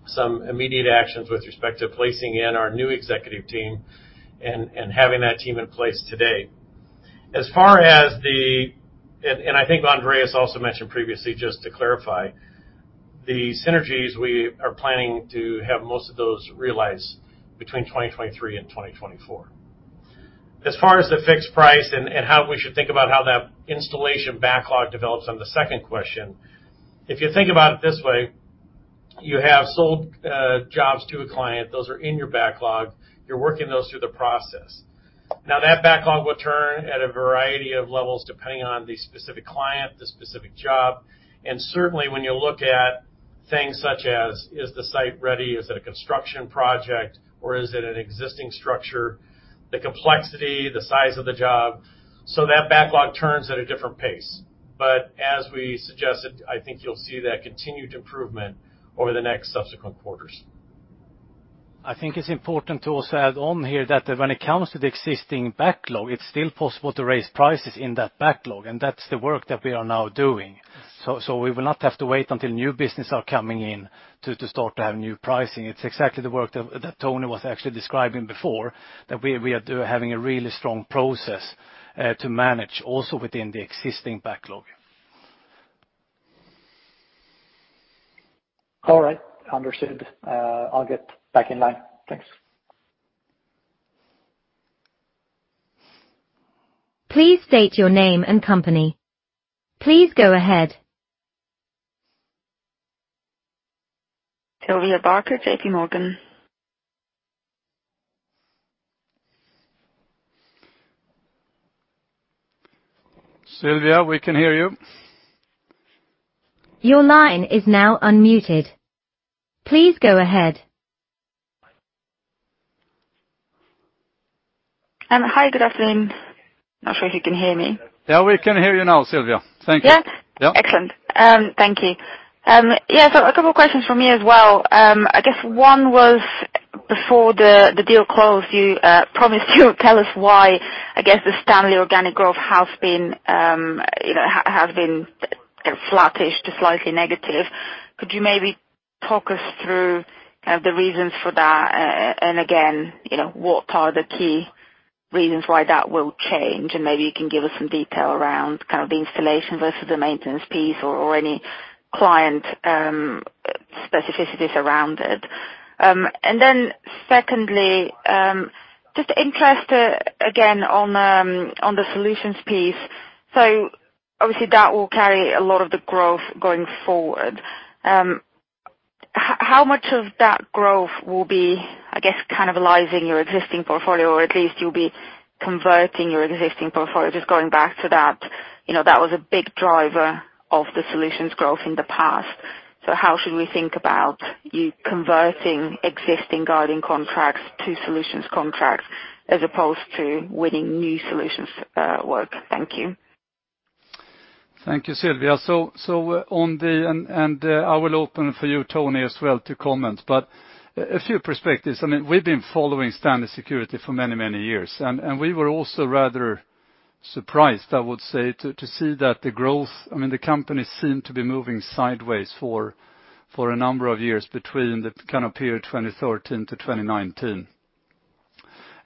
some immediate actions with respect to placing our new executive team and having that team in place today. As far as the I think Andreas also mentioned previously, just to clarify, the synergies we are planning to have most of those realized between 2023 and 2024. As far as the fixed price and how we should think about how that installation backlog develops on the second question, if you think about it this way, you have sold jobs to a client, those are in your backlog, you're working those through the process. Now, that backlog will turn at a variety of levels depending on the specific client, the specific job, and certainly when you look at things such as, is the site ready? Is it a construction project, or is it an existing structure? The complexity, the size of the job. So that backlog turns at a different pace. But as we suggested, I think you'll see that continued improvement over the next subsequent quarters. I think it's important to also add on here that when it comes to the existing backlog, it's still possible to raise prices in that backlog, and that's the work that we are now doing. We will not have to wait until new business are coming in to start to have new pricing. It's exactly the work that Tony was actually describing before, that we are having a really strong process to manage also within the existing backlog. All right. Understood. I'll get back in line. Thanks. Please state your name and company. Please go ahead. Sylvia Barker, JPMorgan. Sylvia, we can hear you. Your line is now unmuted. Please go ahead. Hi. Good afternoon. Not sure if you can hear me. Yeah, we can hear you now, Sylvia. Thank you. Yeah? Yeah. Excellent. Thank you. Yeah, a couple questions from me as well. I guess one was before the deal closed, you promised you would tell us why, I guess, the Stanley organic growth has been, you know, has been flattish to slightly negative. Could you maybe talk us through kind of the reasons for that? Again, you know, what are the key reasons why that will change? Maybe you can give us some detail around kind of the installation versus the maintenance piece or any client specificities around it. Then secondly, just interest again on the solutions piece. Obviously, that will carry a lot of the growth going forward. How much of that growth will be, I guess, cannibalizing your existing portfolio, or at least you'll be converting your existing portfolio? Just going back to that, you know, that was a big driver of the solutions growth in the past. How should we think about you converting existing guarding contracts to solutions contracts as opposed to winning new solutions work? Thank you. Thank you, Sylvia. I will open for you, Tony, as well to comment, but a few perspectives. I mean, we've been following Stanley Security for many, many years. We were also rather surprised, I would say, to see that the growth. I mean, the company seemed to be moving sideways for a number of years between the kind of period 2013 to 2019.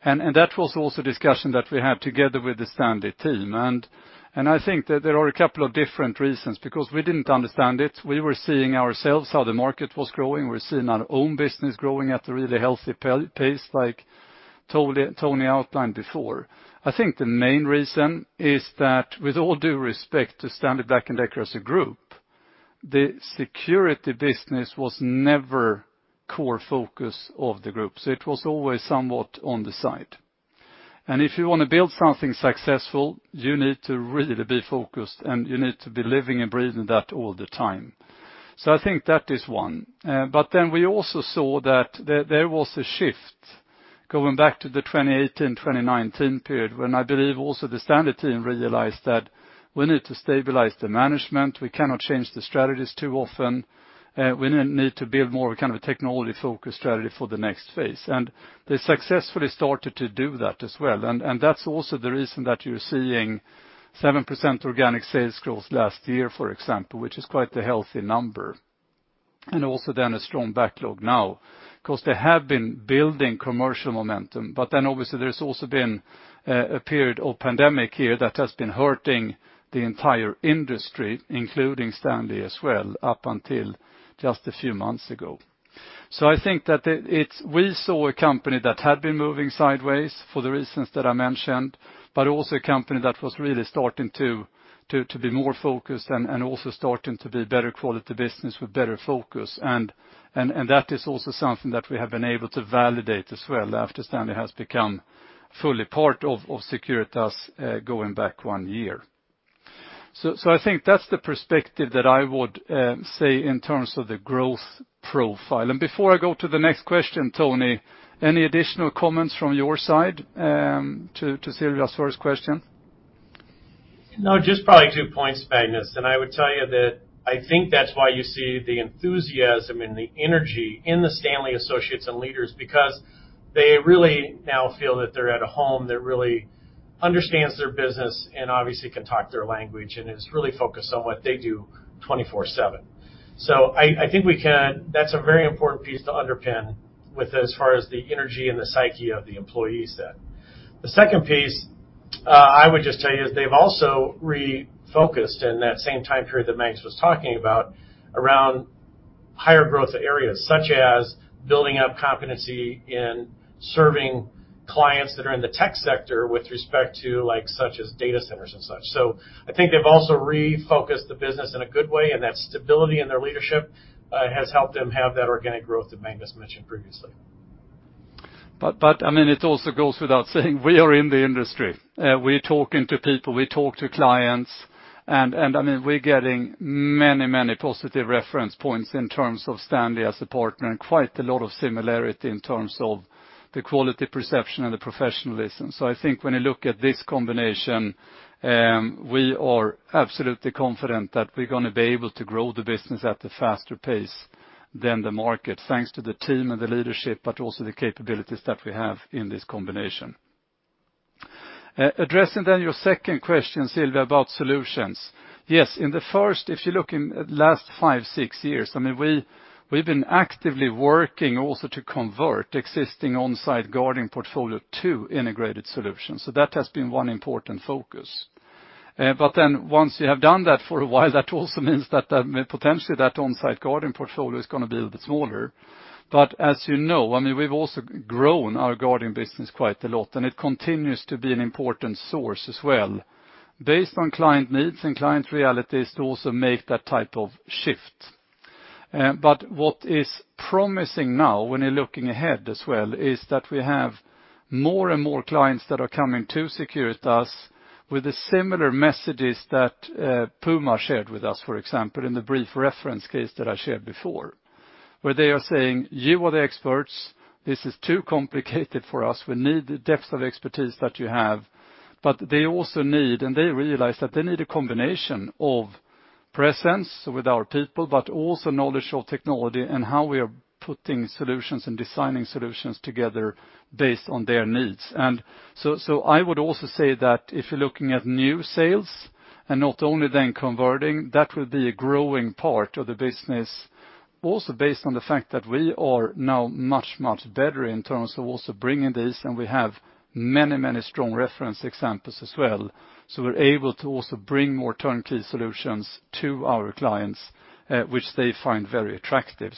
That was also a discussion that we had together with the Stanley team. I think that there are a couple of different reasons, because we didn't understand it. We were seeing for ourselves how the market was growing. We're seeing our own business growing at a really healthy pace, like Tony outlined before. I think the main reason is that with all due respect to Stanley Black & Decker as a group. The security business was never core focus of the group. It was always somewhat on the side. If you wanna build something successful, you need to really be focused, and you need to be living and breathing that all the time. I think that is one. We also saw that there was a shift going back to the 2018, 2019 period, when I believe also the Stanley team realized that we need to stabilize the management, we cannot change the strategies too often, we need to build more of a kind of a technology-focused strategy for the next phase. They successfully started to do that as well. That's also the reason that you're seeing 7% organic sales growth last year, for example, which is quite a healthy number. A strong backlog now. Of course, they have been building commercial momentum, but then obviously there's also been a period of pandemic here that has been hurting the entire industry, including Stanley as well, up until just a few months ago. I think that we saw a company that had been moving sideways for the reasons that I mentioned, but also a company that was really starting to be more focused and also starting to be better quality business with better focus. That is also something that we have been able to validate as well after Stanley has become fully part of Securitas, going back one year. I think that's the perspective that I would say in terms of the growth profile. Before I go to the next question, Tony, any additional comments from your side to Sylvia's first question? No, just probably two points, Magnus. I would tell you that I think that's why you see the enthusiasm and the energy in the Stanley associates and leaders because they really now feel that they're at a home that really understands their business and obviously can talk their language and is really focused on what they do 24/7. I think that's a very important piece to underpin with as far as the energy and the psyche of the employees then. The second piece, I would just tell you is they've also refocused in that same time period that Magnus was talking about around higher growth areas, such as building up competency in serving clients that are in the tech sector with respect to like such as data centers and such. I think they've also refocused the business in a good way, and that stability in their leadership has helped them have that organic growth that Magnus mentioned previously. I mean, it also goes without saying we are in the industry. We're talking to people, we talk to clients, and I mean, we're getting many positive reference points in terms of Stanley as a partner, and quite a lot of similarity in terms of the quality perception and the professionalism. I think when you look at this combination, we are absolutely confident that we're gonna be able to grow the business at a faster pace than the market, thanks to the team and the leadership, but also the capabilities that we have in this combination. Addressing your second question, Sylvia, about solutions. Yes, if you look at last five, six years, I mean, we've been actively working also to convert existing on-site guarding portfolio to integrated solutions. That has been one important focus. Once you have done that for a while, that also means that, potentially that on-site guarding portfolio is gonna be a bit smaller. As you know, I mean, we've also grown our guarding business quite a lot, and it continues to be an important source as well, based on client needs and client realities to also make that type of shift. What is promising now when you're looking ahead as well, is that we have more and more clients that are coming to Securitas with the similar messages that, Puma shared with us, for example, in the brief reference case that I shared before, where they are saying, "You are the experts. This is too complicated for us. We need the depth of expertise that you have." They also need, and they realize that they need a combination of presence with our people, but also knowledge of technology and how we are putting solutions and designing solutions together based on their needs. I would also say that if you're looking at new sales, and not only then converting, that will be a growing part of the business also based on the fact that we are now much, much better in terms of also bringing these, and we have many, many strong reference examples as well. We're able to also bring more turnkey solutions to our clients, which they find very attractive.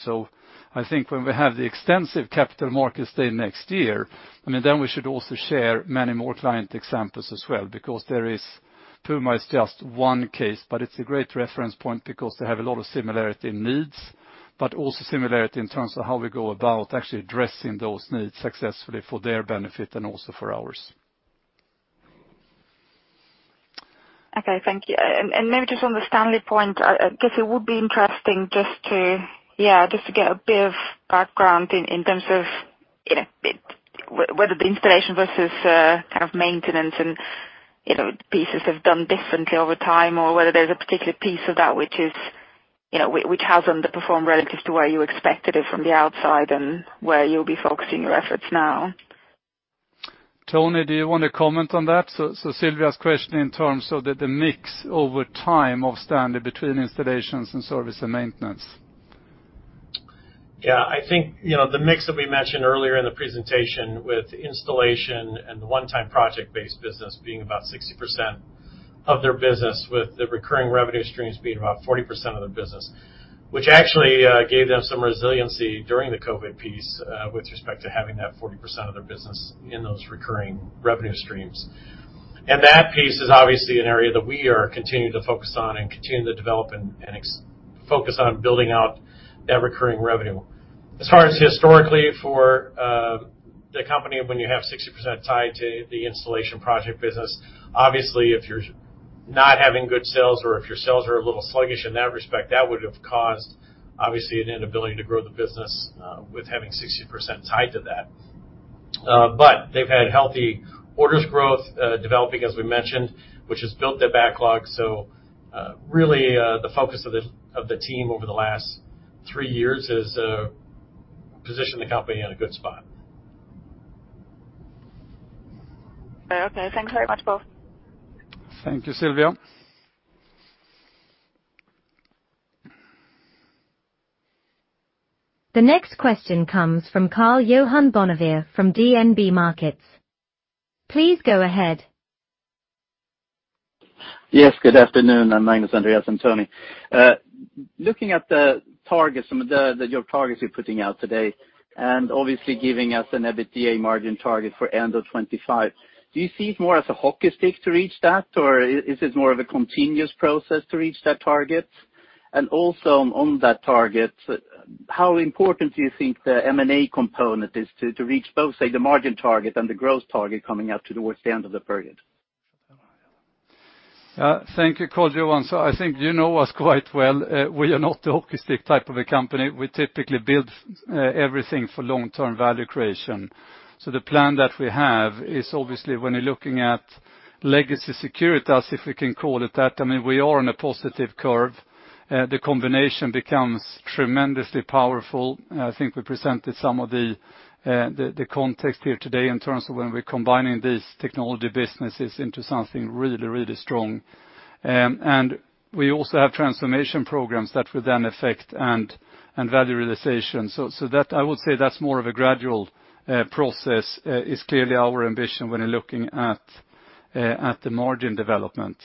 I think when we have the extensive capital markets day next year, I mean, then we should also share many more client examples as well because there is, Puma is just one case, but it's a great reference point because they have a lot of similarity in needs, but also similarity in terms of how we go about actually addressing those needs successfully for their benefit and also for ours. Okay, thank you. Maybe just on the Stanley point, I guess it would be interesting just to get a bit of background in terms of, you know, whether the installation versus kind of maintenance and, you know, pieces have done differently over time or whether there's a particular piece of that which is, you know, which has underperformed relative to where you expected it from the outside and where you'll be focusing your efforts now? Tony, do you want to comment on that? Sylvia's question in terms of the mix over time of Stanley between installations and service and maintenance. Yeah, I think, you know, the mix that we mentioned earlier in the presentation with installation and the one-time project-based business being about 60% of their business, with the recurring revenue streams being about 40% of the business. Which actually gave them some resiliency during the COVID piece, with respect to having that 40% of their business in those recurring revenue streams. That piece is obviously an area that we are continuing to focus on and continue to develop and focus on building out that recurring revenue. As far as historically for the company, when you have 60% tied to the installation project business, obviously if you're not having good sales or if your sales are a little sluggish in that respect, that would have caused obviously an inability to grow the business, with having 60% tied to that. They've had healthy orders growth, developing as we mentioned, which has built their backlog. Really, the focus of the team over the last three years is to position the company in a good spot. Okay. Thanks very much, both. Thank you, Sylvia. The next question comes from Karl-Johan Bonnevier from DNB Markets. Please go ahead. Yes, good afternoon. I'm Magnus, Andreas, and Tony. Looking at the targets that your targets you're putting out today, and obviously giving us an EBITDA margin target for end of 2025, do you see it more as a hockey stick to reach that, or is it more of a continuous process to reach that target? And also on that target, how important do you think the M&A component is to reach both, say, the margin target and the growth target coming out towards the end of the period? Thank you, Karl-Johan. I think you know us quite well. We are not the hockey stick type of a company. We typically build everything for long-term value creation. The plan that we have is obviously when you're looking at legacy Securitas, if we can call it that, I mean, we are on a positive curve. The combination becomes tremendously powerful. I think we presented some of the context here today in terms of when we're combining these technology businesses into something really, really strong. We also have transformation programs that will then affect and value realization. That I would say that's more of a gradual process is clearly our ambition when you're looking at the margin development.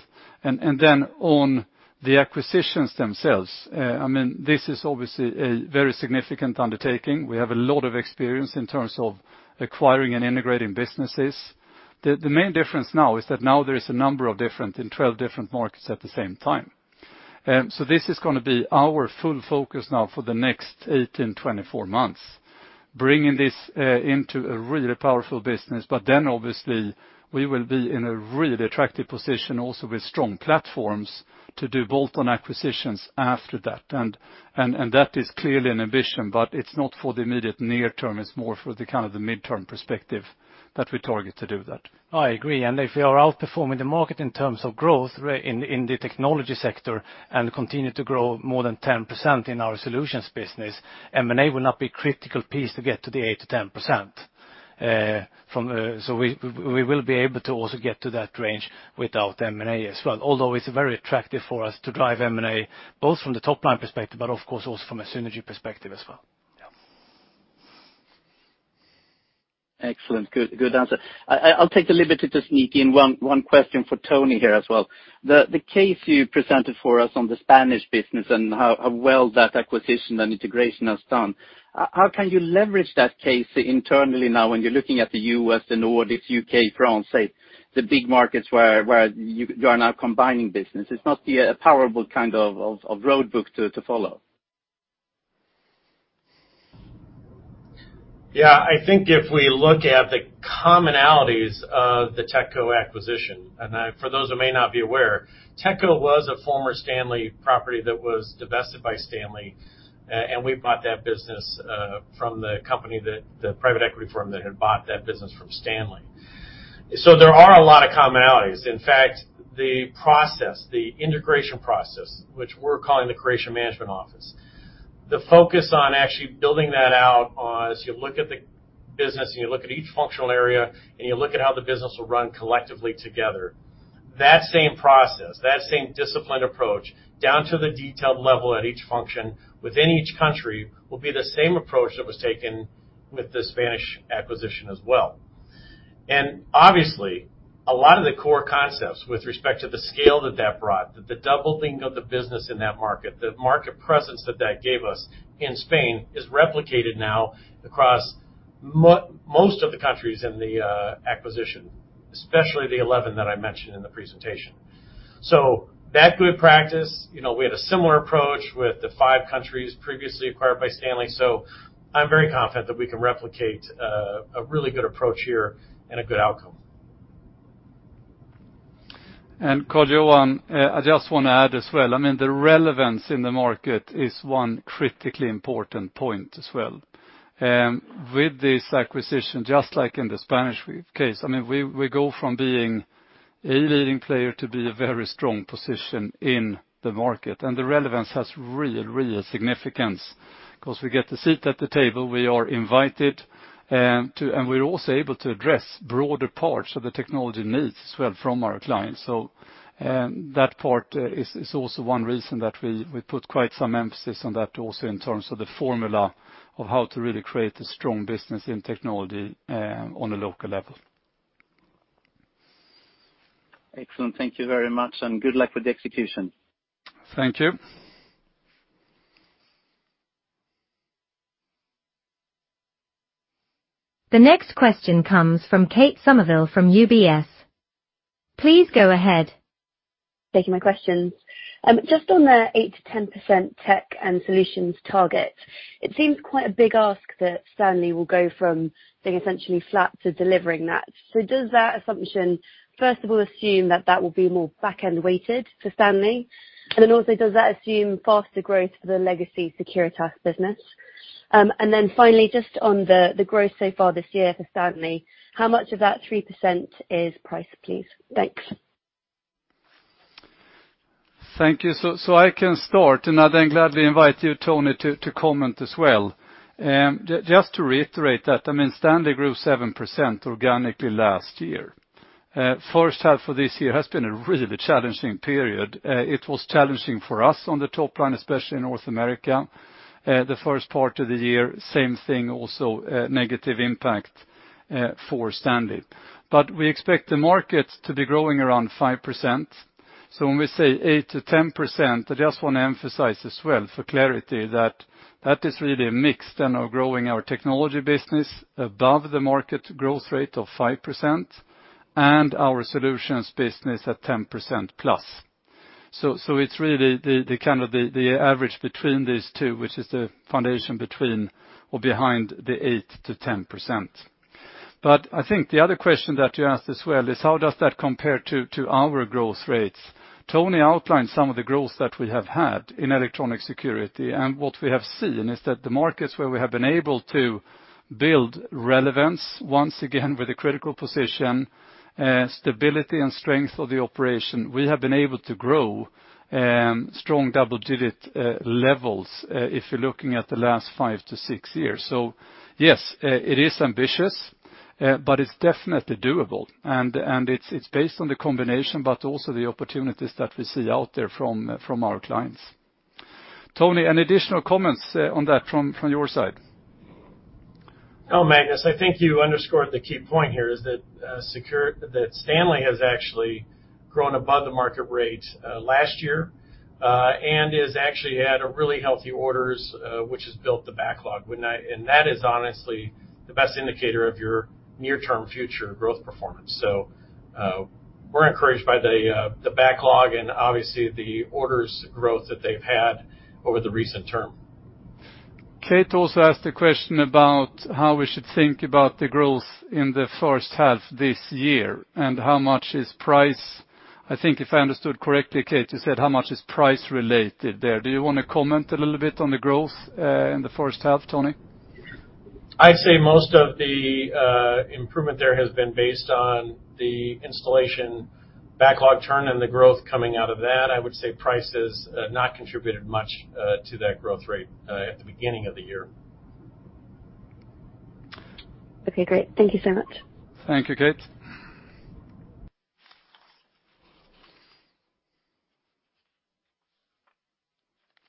Then on the acquisitions themselves, I mean, this is obviously a very significant undertaking. We have a lot of experience in terms of acquiring and integrating businesses. The main difference now is that now there is a number of different in 12 different markets at the same time. This is gonna be our full focus now for the next 18-24 months, bringing this into a really powerful business. Obviously, we will be in a really attractive position also with strong platforms to do bolt-on acquisitions after that. That is clearly an ambition, but it's not for the immediate near term. It's more for the kind of the midterm perspective that we target to do that. I agree. If we are outperforming the market in terms of growth in the technology sector and continue to grow more than 10% in our solutions business, M&A will not be critical piece to get to the 8%-10%. We will be able to also get to that range without M&A as well. Although it's very attractive for us to drive M&A, both from the top line perspective, but of course also from a synergy perspective as well. Yeah. Excellent. Good answer. I'll take a little bit to sneak in one question for Tony here as well. The case you presented for us on the Spanish business and how well that acquisition and integration has done, how can you leverage that case internally now when you're looking at the U.S., the Nordics, U.K., France, say, the big markets where you are now combining business? Is not a powerful kind of road book to follow? Yeah. I think if we look at the commonalities of the Techco acquisition, for those who may not be aware, Techco was a former Stanley property that was divested by Stanley, and we bought that business from the private equity firm that had bought that business from Stanley. There are a lot of commonalities. In fact, the process, the integration process, which we're calling the integration management office, the focus on actually building that out, as you look at the business and you look at each functional area and you look at how the business will run collectively together, that same process, that same disciplined approach, down to the detailed level at each function within each country, will be the same approach that was taken with the Spanish acquisition as well. Obviously, a lot of the core concepts with respect to the scale that brought, the doubling of the business in that market, the market presence that gave us in Spain is replicated now across most of the countries in the acquisition, especially the 11 that I mentioned in the presentation. That good practice, you know, we had a similar approach with the 5 countries previously acquired by Stanley. I'm very confident that we can replicate a really good approach here and a good outcome. Karl-Johan Bonnevier, I just wanna add as well, I mean, the relevance in the market is one critically important point as well. With this acquisition, just like in the Spanish case, I mean, we go from being a leading player to be a very strong position in the market, and the relevance has real significance 'cause we get to sit at the table, we are invited, and we're also able to address broader parts of the technology needs as well from our clients. That part is also one reason that we put quite some emphasis on that also in terms of the formula of how to really create a strong business in technology on a local level. Excellent. Thank you very much, and good luck with the execution. Thank you. The next question comes from Kate Somerville from UBS. Please go ahead. Thank you for taking my questions. Just on the 8%-10% Tech and Solutions target, it seems quite a big ask that Stanley will go from being essentially flat to delivering that. Does that assumption, first of all, assume that that will be more back-end weighted for Stanley? And then also, does that assume faster growth for the legacy Securitas business? And then finally, just on the growth so far this year for Stanley, how much of that 3% is price, please? Thanks. Thank you. I can start, and I then gladly invite you, Tony, to comment as well. Just to reiterate that, I mean, Stanley grew 7% organically last year. First half of this year has been a really challenging period. It was challenging for us on the top line, especially in North America. The first part of the year, same thing also, negative impact for Stanley. We expect the market to be growing around 5%. When we say 8%-10%, I just wanna emphasize as well for clarity that that is really a mix of growing our Technology business above the market growth rate of 5%, and our Solutions business at 10%+. It's really the kind of average between these two, which is the foundation between or behind the 8%-10%. I think the other question that you asked as well is how does that compare to our growth rates? Tony outlined some of the growth that we have had in electronic security. What we have seen is that the markets where we have been able to build relevance, once again with a critical position, stability and strength of the operation, we have been able to grow strong double-digit levels if you're looking at the last 5-6 years. Yes, it is ambitious, but it's definitely doable. It's based on the combination, but also the opportunities that we see out there from our clients. Tony, any additional comments on that from your side? No, Magnus, I think you underscored the key point here is that Stanley has actually grown above the market rate, last year, and has actually had a really healthy orders, which has built the backlog with them. That is honestly the best indicator of your near-term future growth performance. We're encouraged by the backlog and obviously the orders growth that they've had over the recent term. Kate also asked a question about how we should think about the growth in the first half this year, and how much is price. I think if I understood correctly, Kate, you said how much is price-related there. Do you wanna comment a little bit on the growth in the first half, Tony? I'd say most of the improvement there has been based on the installation backlog turn and the growth coming out of that. I would say price has not contributed much to that growth rate at the beginning of the year. Okay, great. Thank you so much. Thank you, Kate.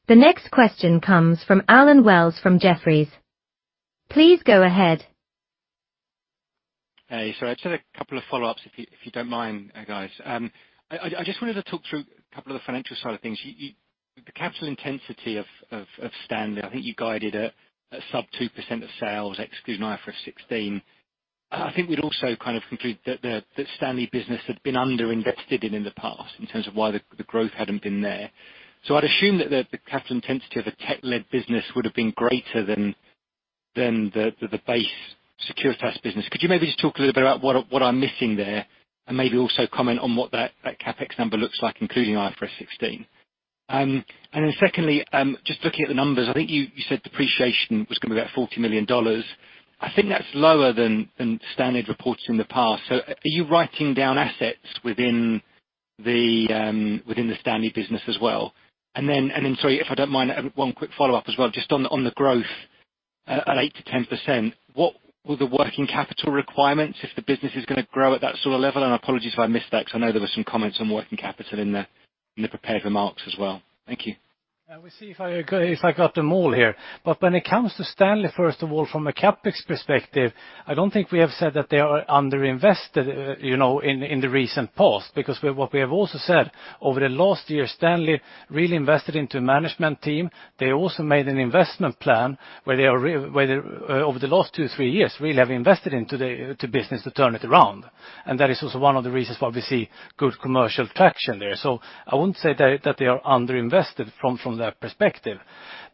The next question comes from Allen Wells from Jefferies. Please go ahead. Hey, sorry. I just had a couple of follow-ups, if you don't mind, guys. I just wanted to talk through a couple of the financial side of things. The capital intensity of Stanley, I think you guided it at sub 2% of sales, excluding IFRS 16. I think we'd also kind of conclude that the Stanley business had been underinvested in the past in terms of why the growth hadn't been there. So I'd assume that the capital intensity of a tech-led business would have been greater than the base Securitas business. Could you maybe just talk a little bit about what I'm missing there, and maybe also comment on what that CapEx number looks like, including IFRS 16? Secondly, just looking at the numbers, I think you said depreciation was gonna be about $40 million. I think that's lower than Stanley reported in the past. Are you writing down assets within the Stanley business as well? Sorry if I don't mind, one quick follow-up as well, just on the growth at 8%-10%, what were the working capital requirements if the business is gonna grow at that sort of level? Apologies if I missed that, 'cause I know there were some comments on working capital in the prepared remarks as well. Thank you. When it comes to Stanley, first of all, from a CapEx perspective, I don't think we have said that they are underinvested, you know, in the recent past. Because what we have also said over the last year, Stanley really invested into management team. They also made an investment plan where they're over the last two, three years, really have invested into the business to turn it around. That is also one of the reasons why we see good commercial traction there. I wouldn't say that they are underinvested from that perspective.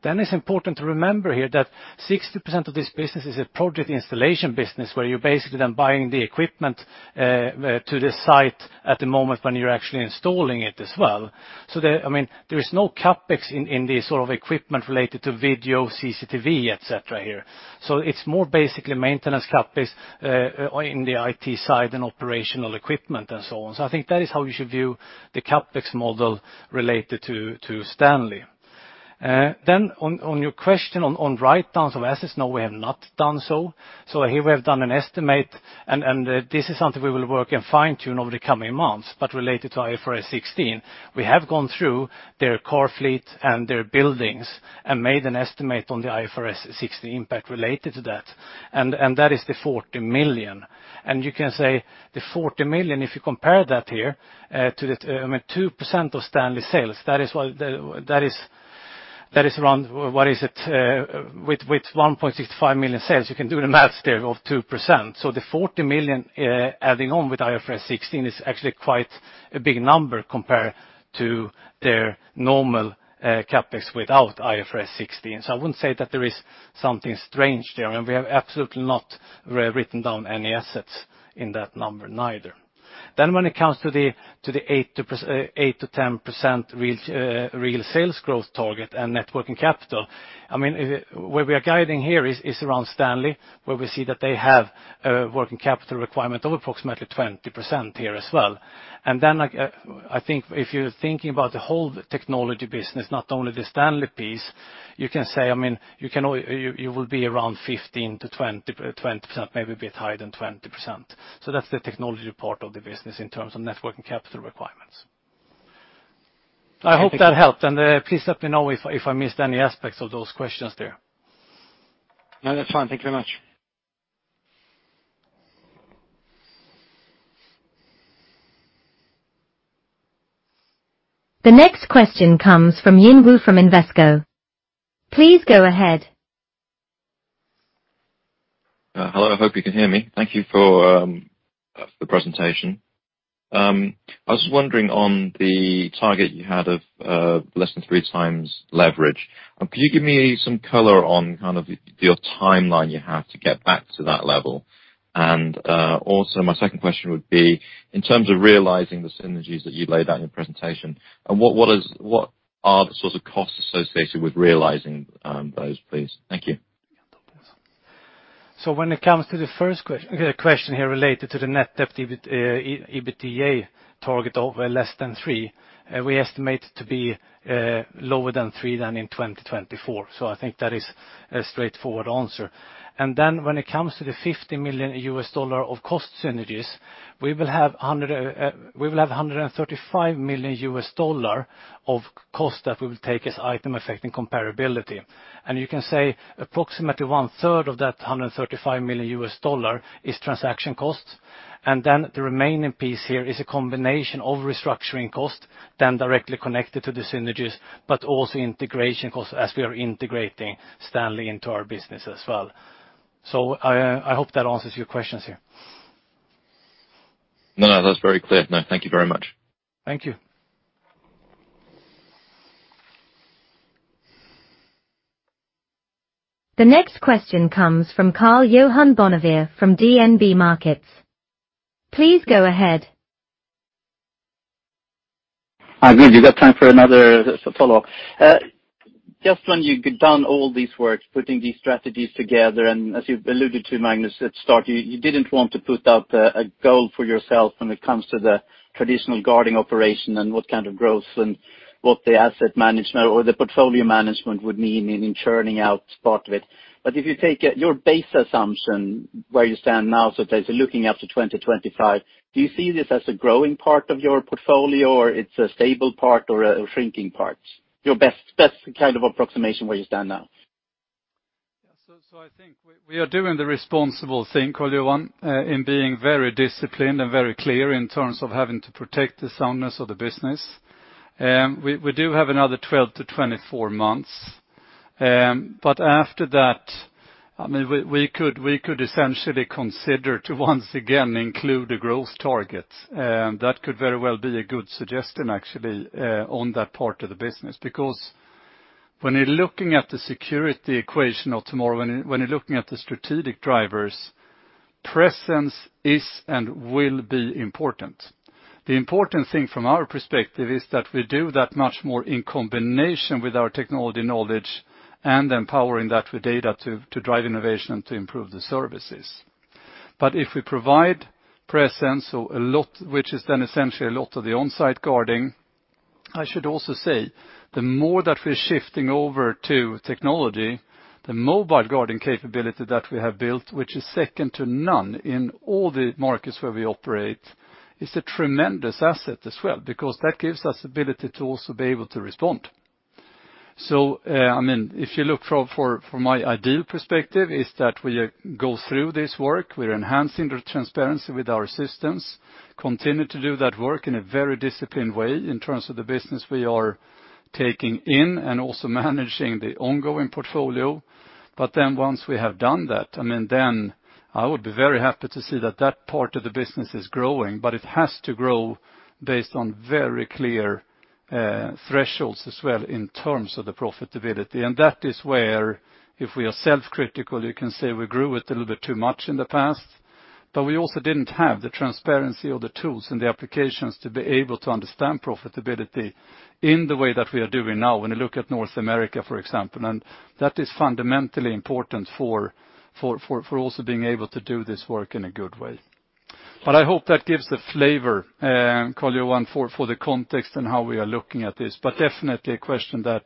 It's important to remember here that 60% of this business is a project installation business where you're basically then buying the equipment to the site at the moment when you're actually installing it as well. I mean, there is no CapEx in this sort of equipment related to video CCTV, et cetera here. So it's more basically maintenance CapEx or in the IT side and operational equipment and so on. So I think that is how you should view the CapEx model related to Stanley. On your question on write-downs of assets, no, we have not done so. So here we have done an estimate and this is something we will work and fine-tune over the coming months, but related to IFRS 16. We have gone through their core fleet and their buildings and made an estimate on the IFRS 16 impact related to that, and that is the 40 million. You can say the 40 million, if you compare that here to the 2% of Stanley sales, that is what that is. That is around, what is it? With 1.65 million sales, you can do the math there of 2%. The 40 million, adding on with IFRS 16 is actually quite a big number compared to their normal CapEx without IFRS 16. I wouldn't say that there is something strange there. I mean, we have absolutely not written down any assets in that number neither. When it comes to the 8%-10% real sales growth target and net working capital. I mean, where we are guiding here is around Stanley, where we see that they have a working capital requirement of approximately 20% here as well. Like, I think if you're thinking about the whole technology business, not only the Stanley piece, you can say, I mean, you will be around 15%-20%, maybe a bit higher than 20%. That's the technology part of the business in terms of net working capital requirements. I hope that helped. Please let me know if I missed any aspects of those questions there. No, that's fine. Thank you very much. The next question comes from Yin Wu from Invesco. Please go ahead. Hello, I hope you can hear me. Thank you for the presentation. I was just wondering on the target you had of less than three times leverage. Could you give me some color on kind of your timeline you have to get back to that level? Also, my second question would be in terms of realizing the synergies that you laid out in your presentation, and what are the sorts of costs associated with realizing those, please? Thank you. When it comes to the first question here related to the net debt EBITDA target of less than 3x, we estimate it to be lower than 3x in 2024. I think that is a straightforward answer. When it comes to the $50 million of cost synergies, we will have $135 million of cost that we will take as items affecting comparability. You can say approximately 1/3 of that $135 million is transaction costs. The remaining piece here is a combination of restructuring costs directly connected to the synergies, but also integration costs as we are integrating Stanley into our business as well. I hope that answers your questions here. No, no, that's very clear. No, thank you very much. Thank you. The next question comes from Karl-Johan Bonnevier from DNB Markets. Please go ahead. Good, you got time for another follow-up. Just when you get done all these works, putting these strategies together, and as you've alluded to Magnus at start, you didn't want to put up a goal for yourself when it comes to the traditional guarding operation and what kind of growth and what the asset management or the portfolio management would mean in churning out part of it. If you take your base assumption where you stand now, so there's looking after 2025, do you see this as a growing part of your portfolio, or it's a stable part or a shrinking part? Your best kind of approximation where you stand now. I think we are doing the responsible thing, Karl-Johan, in being very disciplined and very clear in terms of having to protect the soundness of the business. We do have another 12-24 months. After that, we could essentially consider to once again include a growth target. That could very well be a good suggestion actually on that part of the business. Because when you're looking at the security equation of tomorrow, when you're looking at the strategic drivers, presence is and will be important. The important thing from our perspective is that we do that much more in combination with our technology knowledge and empowering that with data to drive innovation to improve the services. If we provide presence or a lot, which is then essentially a lot of the on-site guarding, I should also say the more that we're shifting over to technology, the mobile guarding capability that we have built, which is second to none in all the markets where we operate, is a tremendous asset as well because that gives us ability to also be able to respond. I mean, if you look for my ideal perspective is that we go through this work, we're enhancing the transparency with our systems, continue to do that work in a very disciplined way in terms of the business we are taking in and also managing the ongoing portfolio. Once we have done that, I mean, then I would be very happy to see that part of the business is growing, but it has to grow based on very clear thresholds as well in terms of the profitability. That is where if we are self-critical, you can say we grew it a little bit too much in the past, but we also didn't have the transparency or the tools and the applications to be able to understand profitability in the way that we are doing now when you look at North America, for example. That is fundamentally important for also being able to do this work in a good way. I hope that gives the flavor, Karl-Johan, for the context and how we are looking at this, but definitely a question that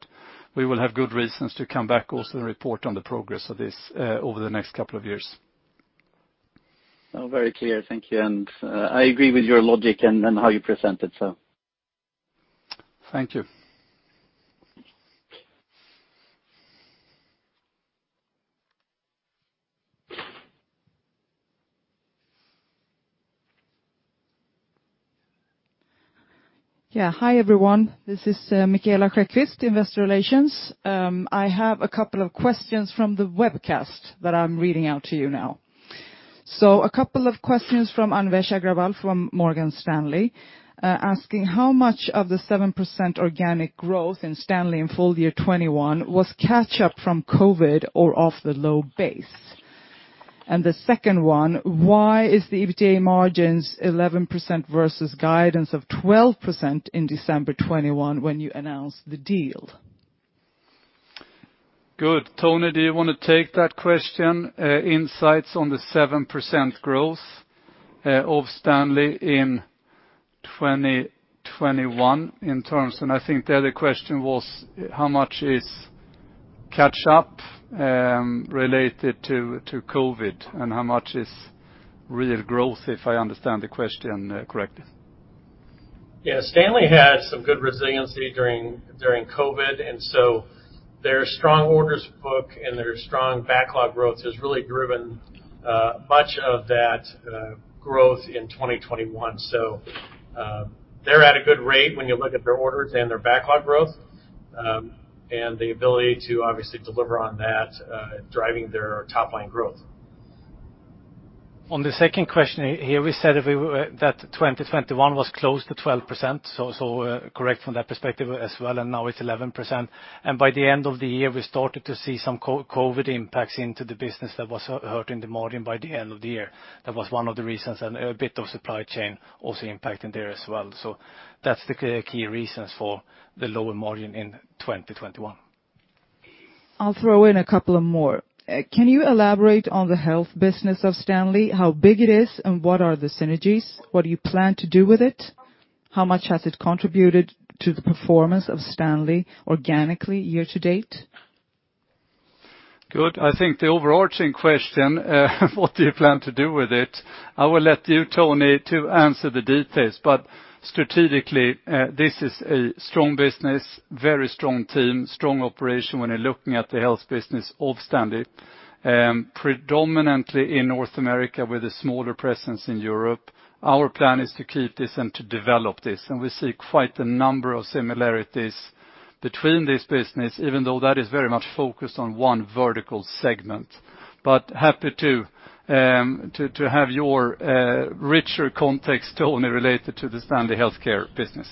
we will have good reasons to come back also and report on the progress of this, over the next couple of years. Oh, very clear. Thank you. I agree with your logic and how you present it, so. Thank you. Yeah. Hi everyone, this is Micaela Sjökvist, Investor Relations. I have a couple of questions from the webcast that I'm reading out to you now. A couple of questions from Anvesh Agrawal from Morgan Stanley asking how much of the 7% organic growth in Stanley in full year 2021 was catch-up from COVID or off the low base? And the second one, why is the EBITDA margins 11% versus guidance of 12% in December 2021 when you announced the deal? Good. Tony, do you wanna take that question, insights on the 7% growth of Stanley in 2021 in terms... I think the other question was how much is catch-up related to COVID, and how much is real growth, if I understand the question correctly. Yeah. Stanley had some good resiliency during COVID, and their strong orders book and their strong backlog growth has really driven much of that growth in 2021. They're at a good rate when you look at their orders and their backlog growth, and the ability to obviously deliver on that driving their top line growth. On the second question here, we said that 2021 was close to 12%, so correct from that perspective as well, and now it's 11%. By the end of the year, we started to see some COVID impacts into the business that was hurting the margin by the end of the year. That was one of the reasons, and a bit of supply chain also impacting there as well. That's the key reasons for the lower margin in 2021. I'll throw in a couple of more. Can you elaborate on the health business of Stanley, how big it is, and what are the synergies? What do you plan to do with it? How much has it contributed to the performance of Stanley organically year to date? Good. I think the overarching question, what do you plan to do with it, I will let you, Tony, to answer the details. Strategically, this is a strong business, very strong team, strong operation when you're looking at the health business of Stanley, predominantly in North America with a smaller presence in Europe. Our plan is to keep this and to develop this, and we see quite a number of similarities between this business even though that is very much focused on one vertical segment. Happy to have your richer context, Tony, related to the Stanley healthcare business.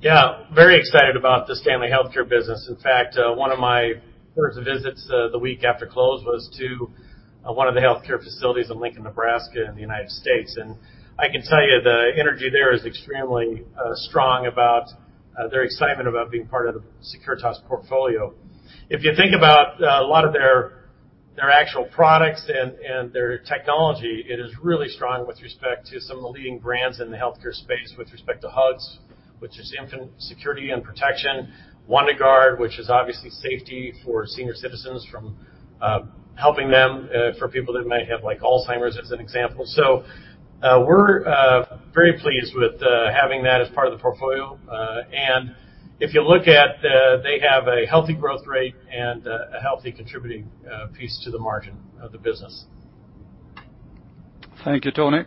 Yeah. Very excited about the Stanley healthcare business. In fact, one of my first visits, the week after close was to one of the healthcare facilities in Lincoln, Nebraska, in the United States. I can tell you the energy there is extremely strong about their excitement about being part of the Securitas portfolio. If you think about a lot of their actual products and their technology, it is really strong with respect to some of the leading brands in the healthcare space with respect to Hugs, which is infant security and protection, WanderGuard BLUE, which is obviously safety for senior citizens from helping them for people that may have, like, Alzheimer's as an example. We're very pleased with having that as part of the portfolio. If you look at, they have a healthy growth rate and a healthy contributing piece to the margin of the business. Thank you, Tony.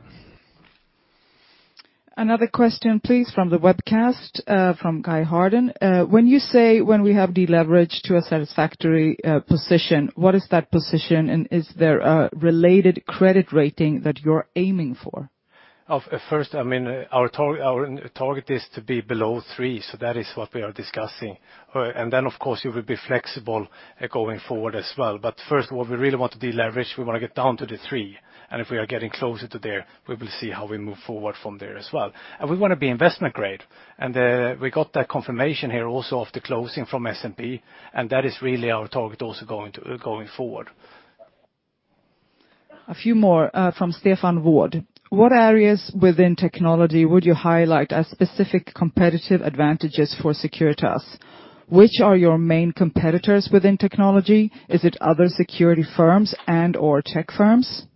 Another question please from the webcast, from Kai Harden. When you say we have deleveraged to a satisfactory position, what is that position, and is there a related credit rating that you're aiming for? First, I mean, our target is to be below three, so that is what we are discussing. Of course we will be flexible going forward as well. First, what we really want to deleverage, we wanna get down to the three, and if we are getting closer to there, we will see how we move forward from there as well. We wanna be investment grade, and we got that confirmation here also after closing from S&P, and that is really our target also going forward. A few more from Stefan Wård. What areas within technology would you highlight as specific competitive advantages for Securitas? Which are your main competitors within technology? Is it other security firms and/or tech firms?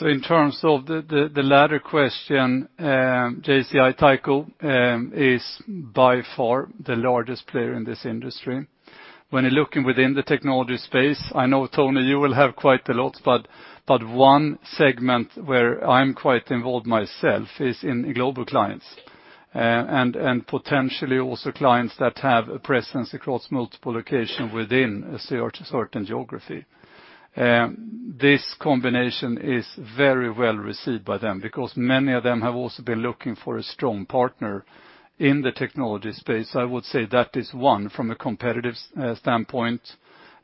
In terms of the latter question, JCI is by far the largest player in this industry. When you're looking within the technology space, I know, Tony, you will have quite a lot, but one segment where I'm quite involved myself is in global clients, and potentially also clients that have a presence across multiple location within a certain geography. This combination is very well received by them because many of them have also been looking for a strong partner in the technology space. I would say that is one from a competitive standpoint,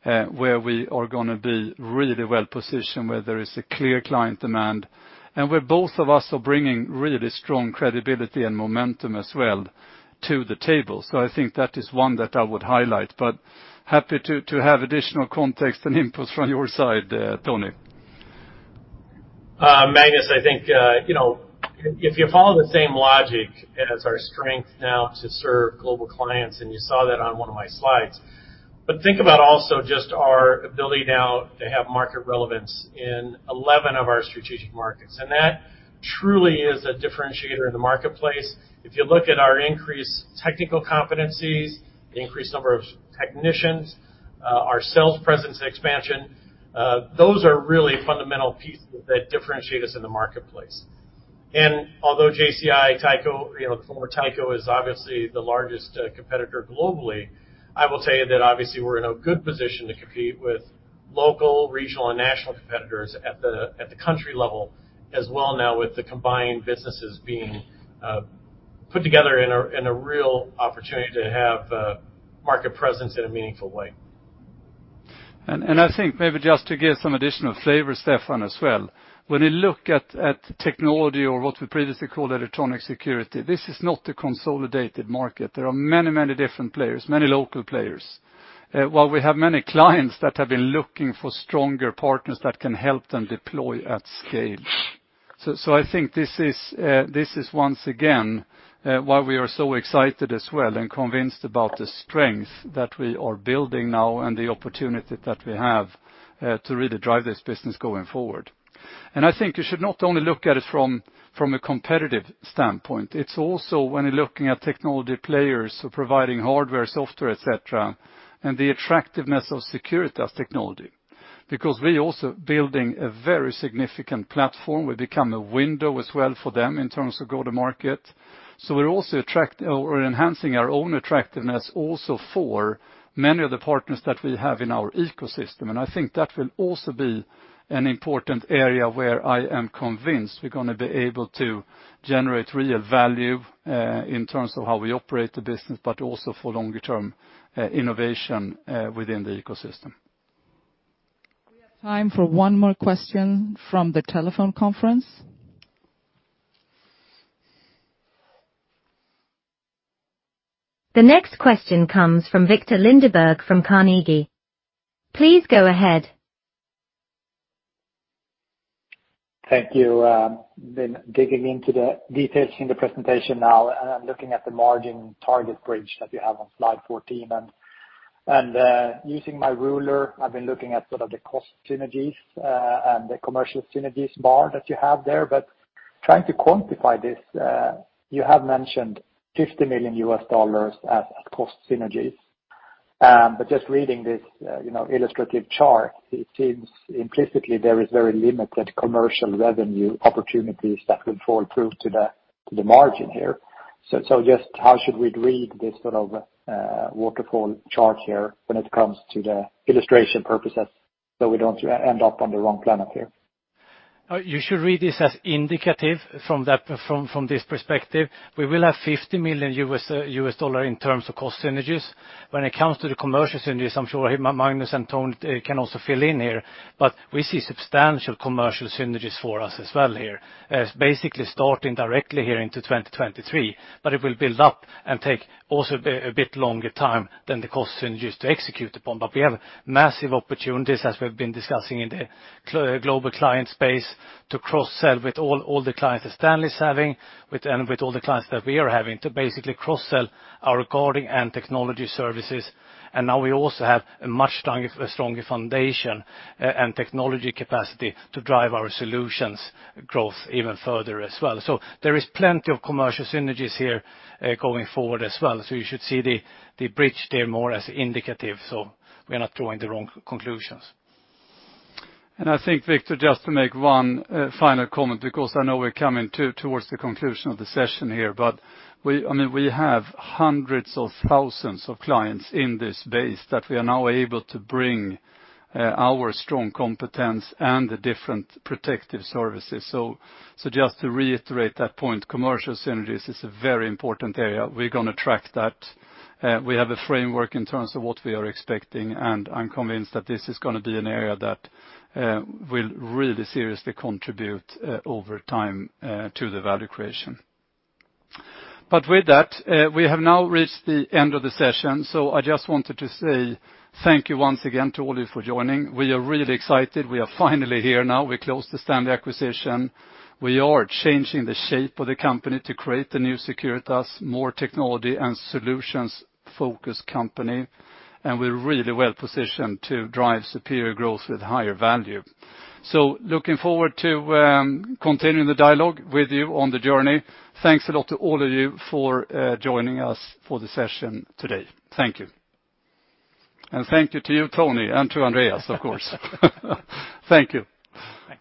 where we are gonna be really well positioned, where there is a clear client demand, and where both of us are bringing really strong credibility and momentum as well to the table. I think that is one that I would highlight. Happy to have additional context and input from your side, Tony. Magnus, I think, you know, if you follow the same logic as our strength now to serve global clients, and you saw that on one of my slides, but think about also just our ability now to have market relevance in 11 of our strategic markets, and that truly is a differentiator in the marketplace. If you look at our increased technical competencies, increased number of technicians, our sales presence expansion, those are really fundamental pieces that differentiate us in the marketplace. Although JCI, Tyco, you know, the former Tyco is obviously the largest competitor globally, I will tell you that obviously we're in a good position to compete with local, regional, and national competitors at the country level as well now with the combined businesses being put together in a real opportunity to have market presence in a meaningful way. I think maybe just to give some additional flavor, Stefan, as well. When you look at technology or what we previously called electronic security, this is not a consolidated market. There are many, many different players, many local players. While we have many clients that have been looking for stronger partners that can help them deploy at scale. I think this is once again why we are so excited as well and convinced about the strength that we are building now and the opportunity that we have to really drive this business going forward. I think you should not only look at it from a competitive standpoint, it's also when you're looking at technology players who are providing hardware, software, et cetera, and the attractiveness of Securitas Technology. Because we're also building a very significant platform. We become a window as well for them in terms of go-to-market. We're also attracting or enhancing our own attractiveness also for many of the partners that we have in our ecosystem. I think that will also be an important area where I am convinced we're gonna be able to generate real value in terms of how we operate the business, but also for longer term innovation within the ecosystem. We have time for one more question from the telephone conference. The next question comes from Viktor Lindeberg from Carnegie. Please go ahead. Thank you. Been digging into the details in the presentation now and I'm looking at the margin target bridge that you have on slide 14. Using my ruler, I've been looking at sort of the cost synergies and the commercial synergies bar that you have there. Trying to quantify this, you have mentioned $50 million as cost synergies. Just reading this, you know, illustrative chart, it seems implicitly there is very limited commercial revenue opportunities that will fall through to the margin here. Just how should we read this sort of waterfall chart here when it comes to the illustration purposes, so we don't end up on the wrong planet here? You should read this as indicative from that. From this perspective. We will have $50 million in terms of cost synergies. When it comes to the commercial synergies, I'm sure Magnus and Tony can also fill in here, but we see substantial commercial synergies for us as well here. It's basically starting directly here into 2023, but it will build up and take also a bit longer time than the cost synergies to execute upon. We have massive opportunities, as we've been discussing in the global client space, to cross-sell with all the clients that Stanley is having and with all the clients that we are having, to basically cross-sell our recording and technology services. Now we also have a much stronger foundation and technology capacity to drive our solutions growth even further as well. There is plenty of commercial synergies here, going forward as well. You should see the bridge there more as indicative, so we're not drawing the wrong conclusions. I think, Viktor, just to make one final comment, because I know we're coming towards the conclusion of the session here. I mean, we have hundreds of thousands of clients in this base that we are now able to bring our strong competence and the different protective services. Just to reiterate that point, commercial synergies is a very important area. We're gonna track that. We have a framework in terms of what we are expecting, and I'm convinced that this is gonna be an area that will really seriously contribute over time to the value creation. With that, we have now reached the end of the session, so I just wanted to say thank you once again to all of you for joining. We are really excited. We are finally here now. We closed the Stanley acquisition. We are changing the shape of the company to create the new Securitas, more Technology and Solutions-focused company. We're really well-positioned to drive superior growth with higher value. Looking forward to continuing the dialogue with you on the journey. Thanks a lot to all of you for joining us for the session today. Thank you. Thank you to you, Tony, and to Andreas, of course. Thank you. Thank you.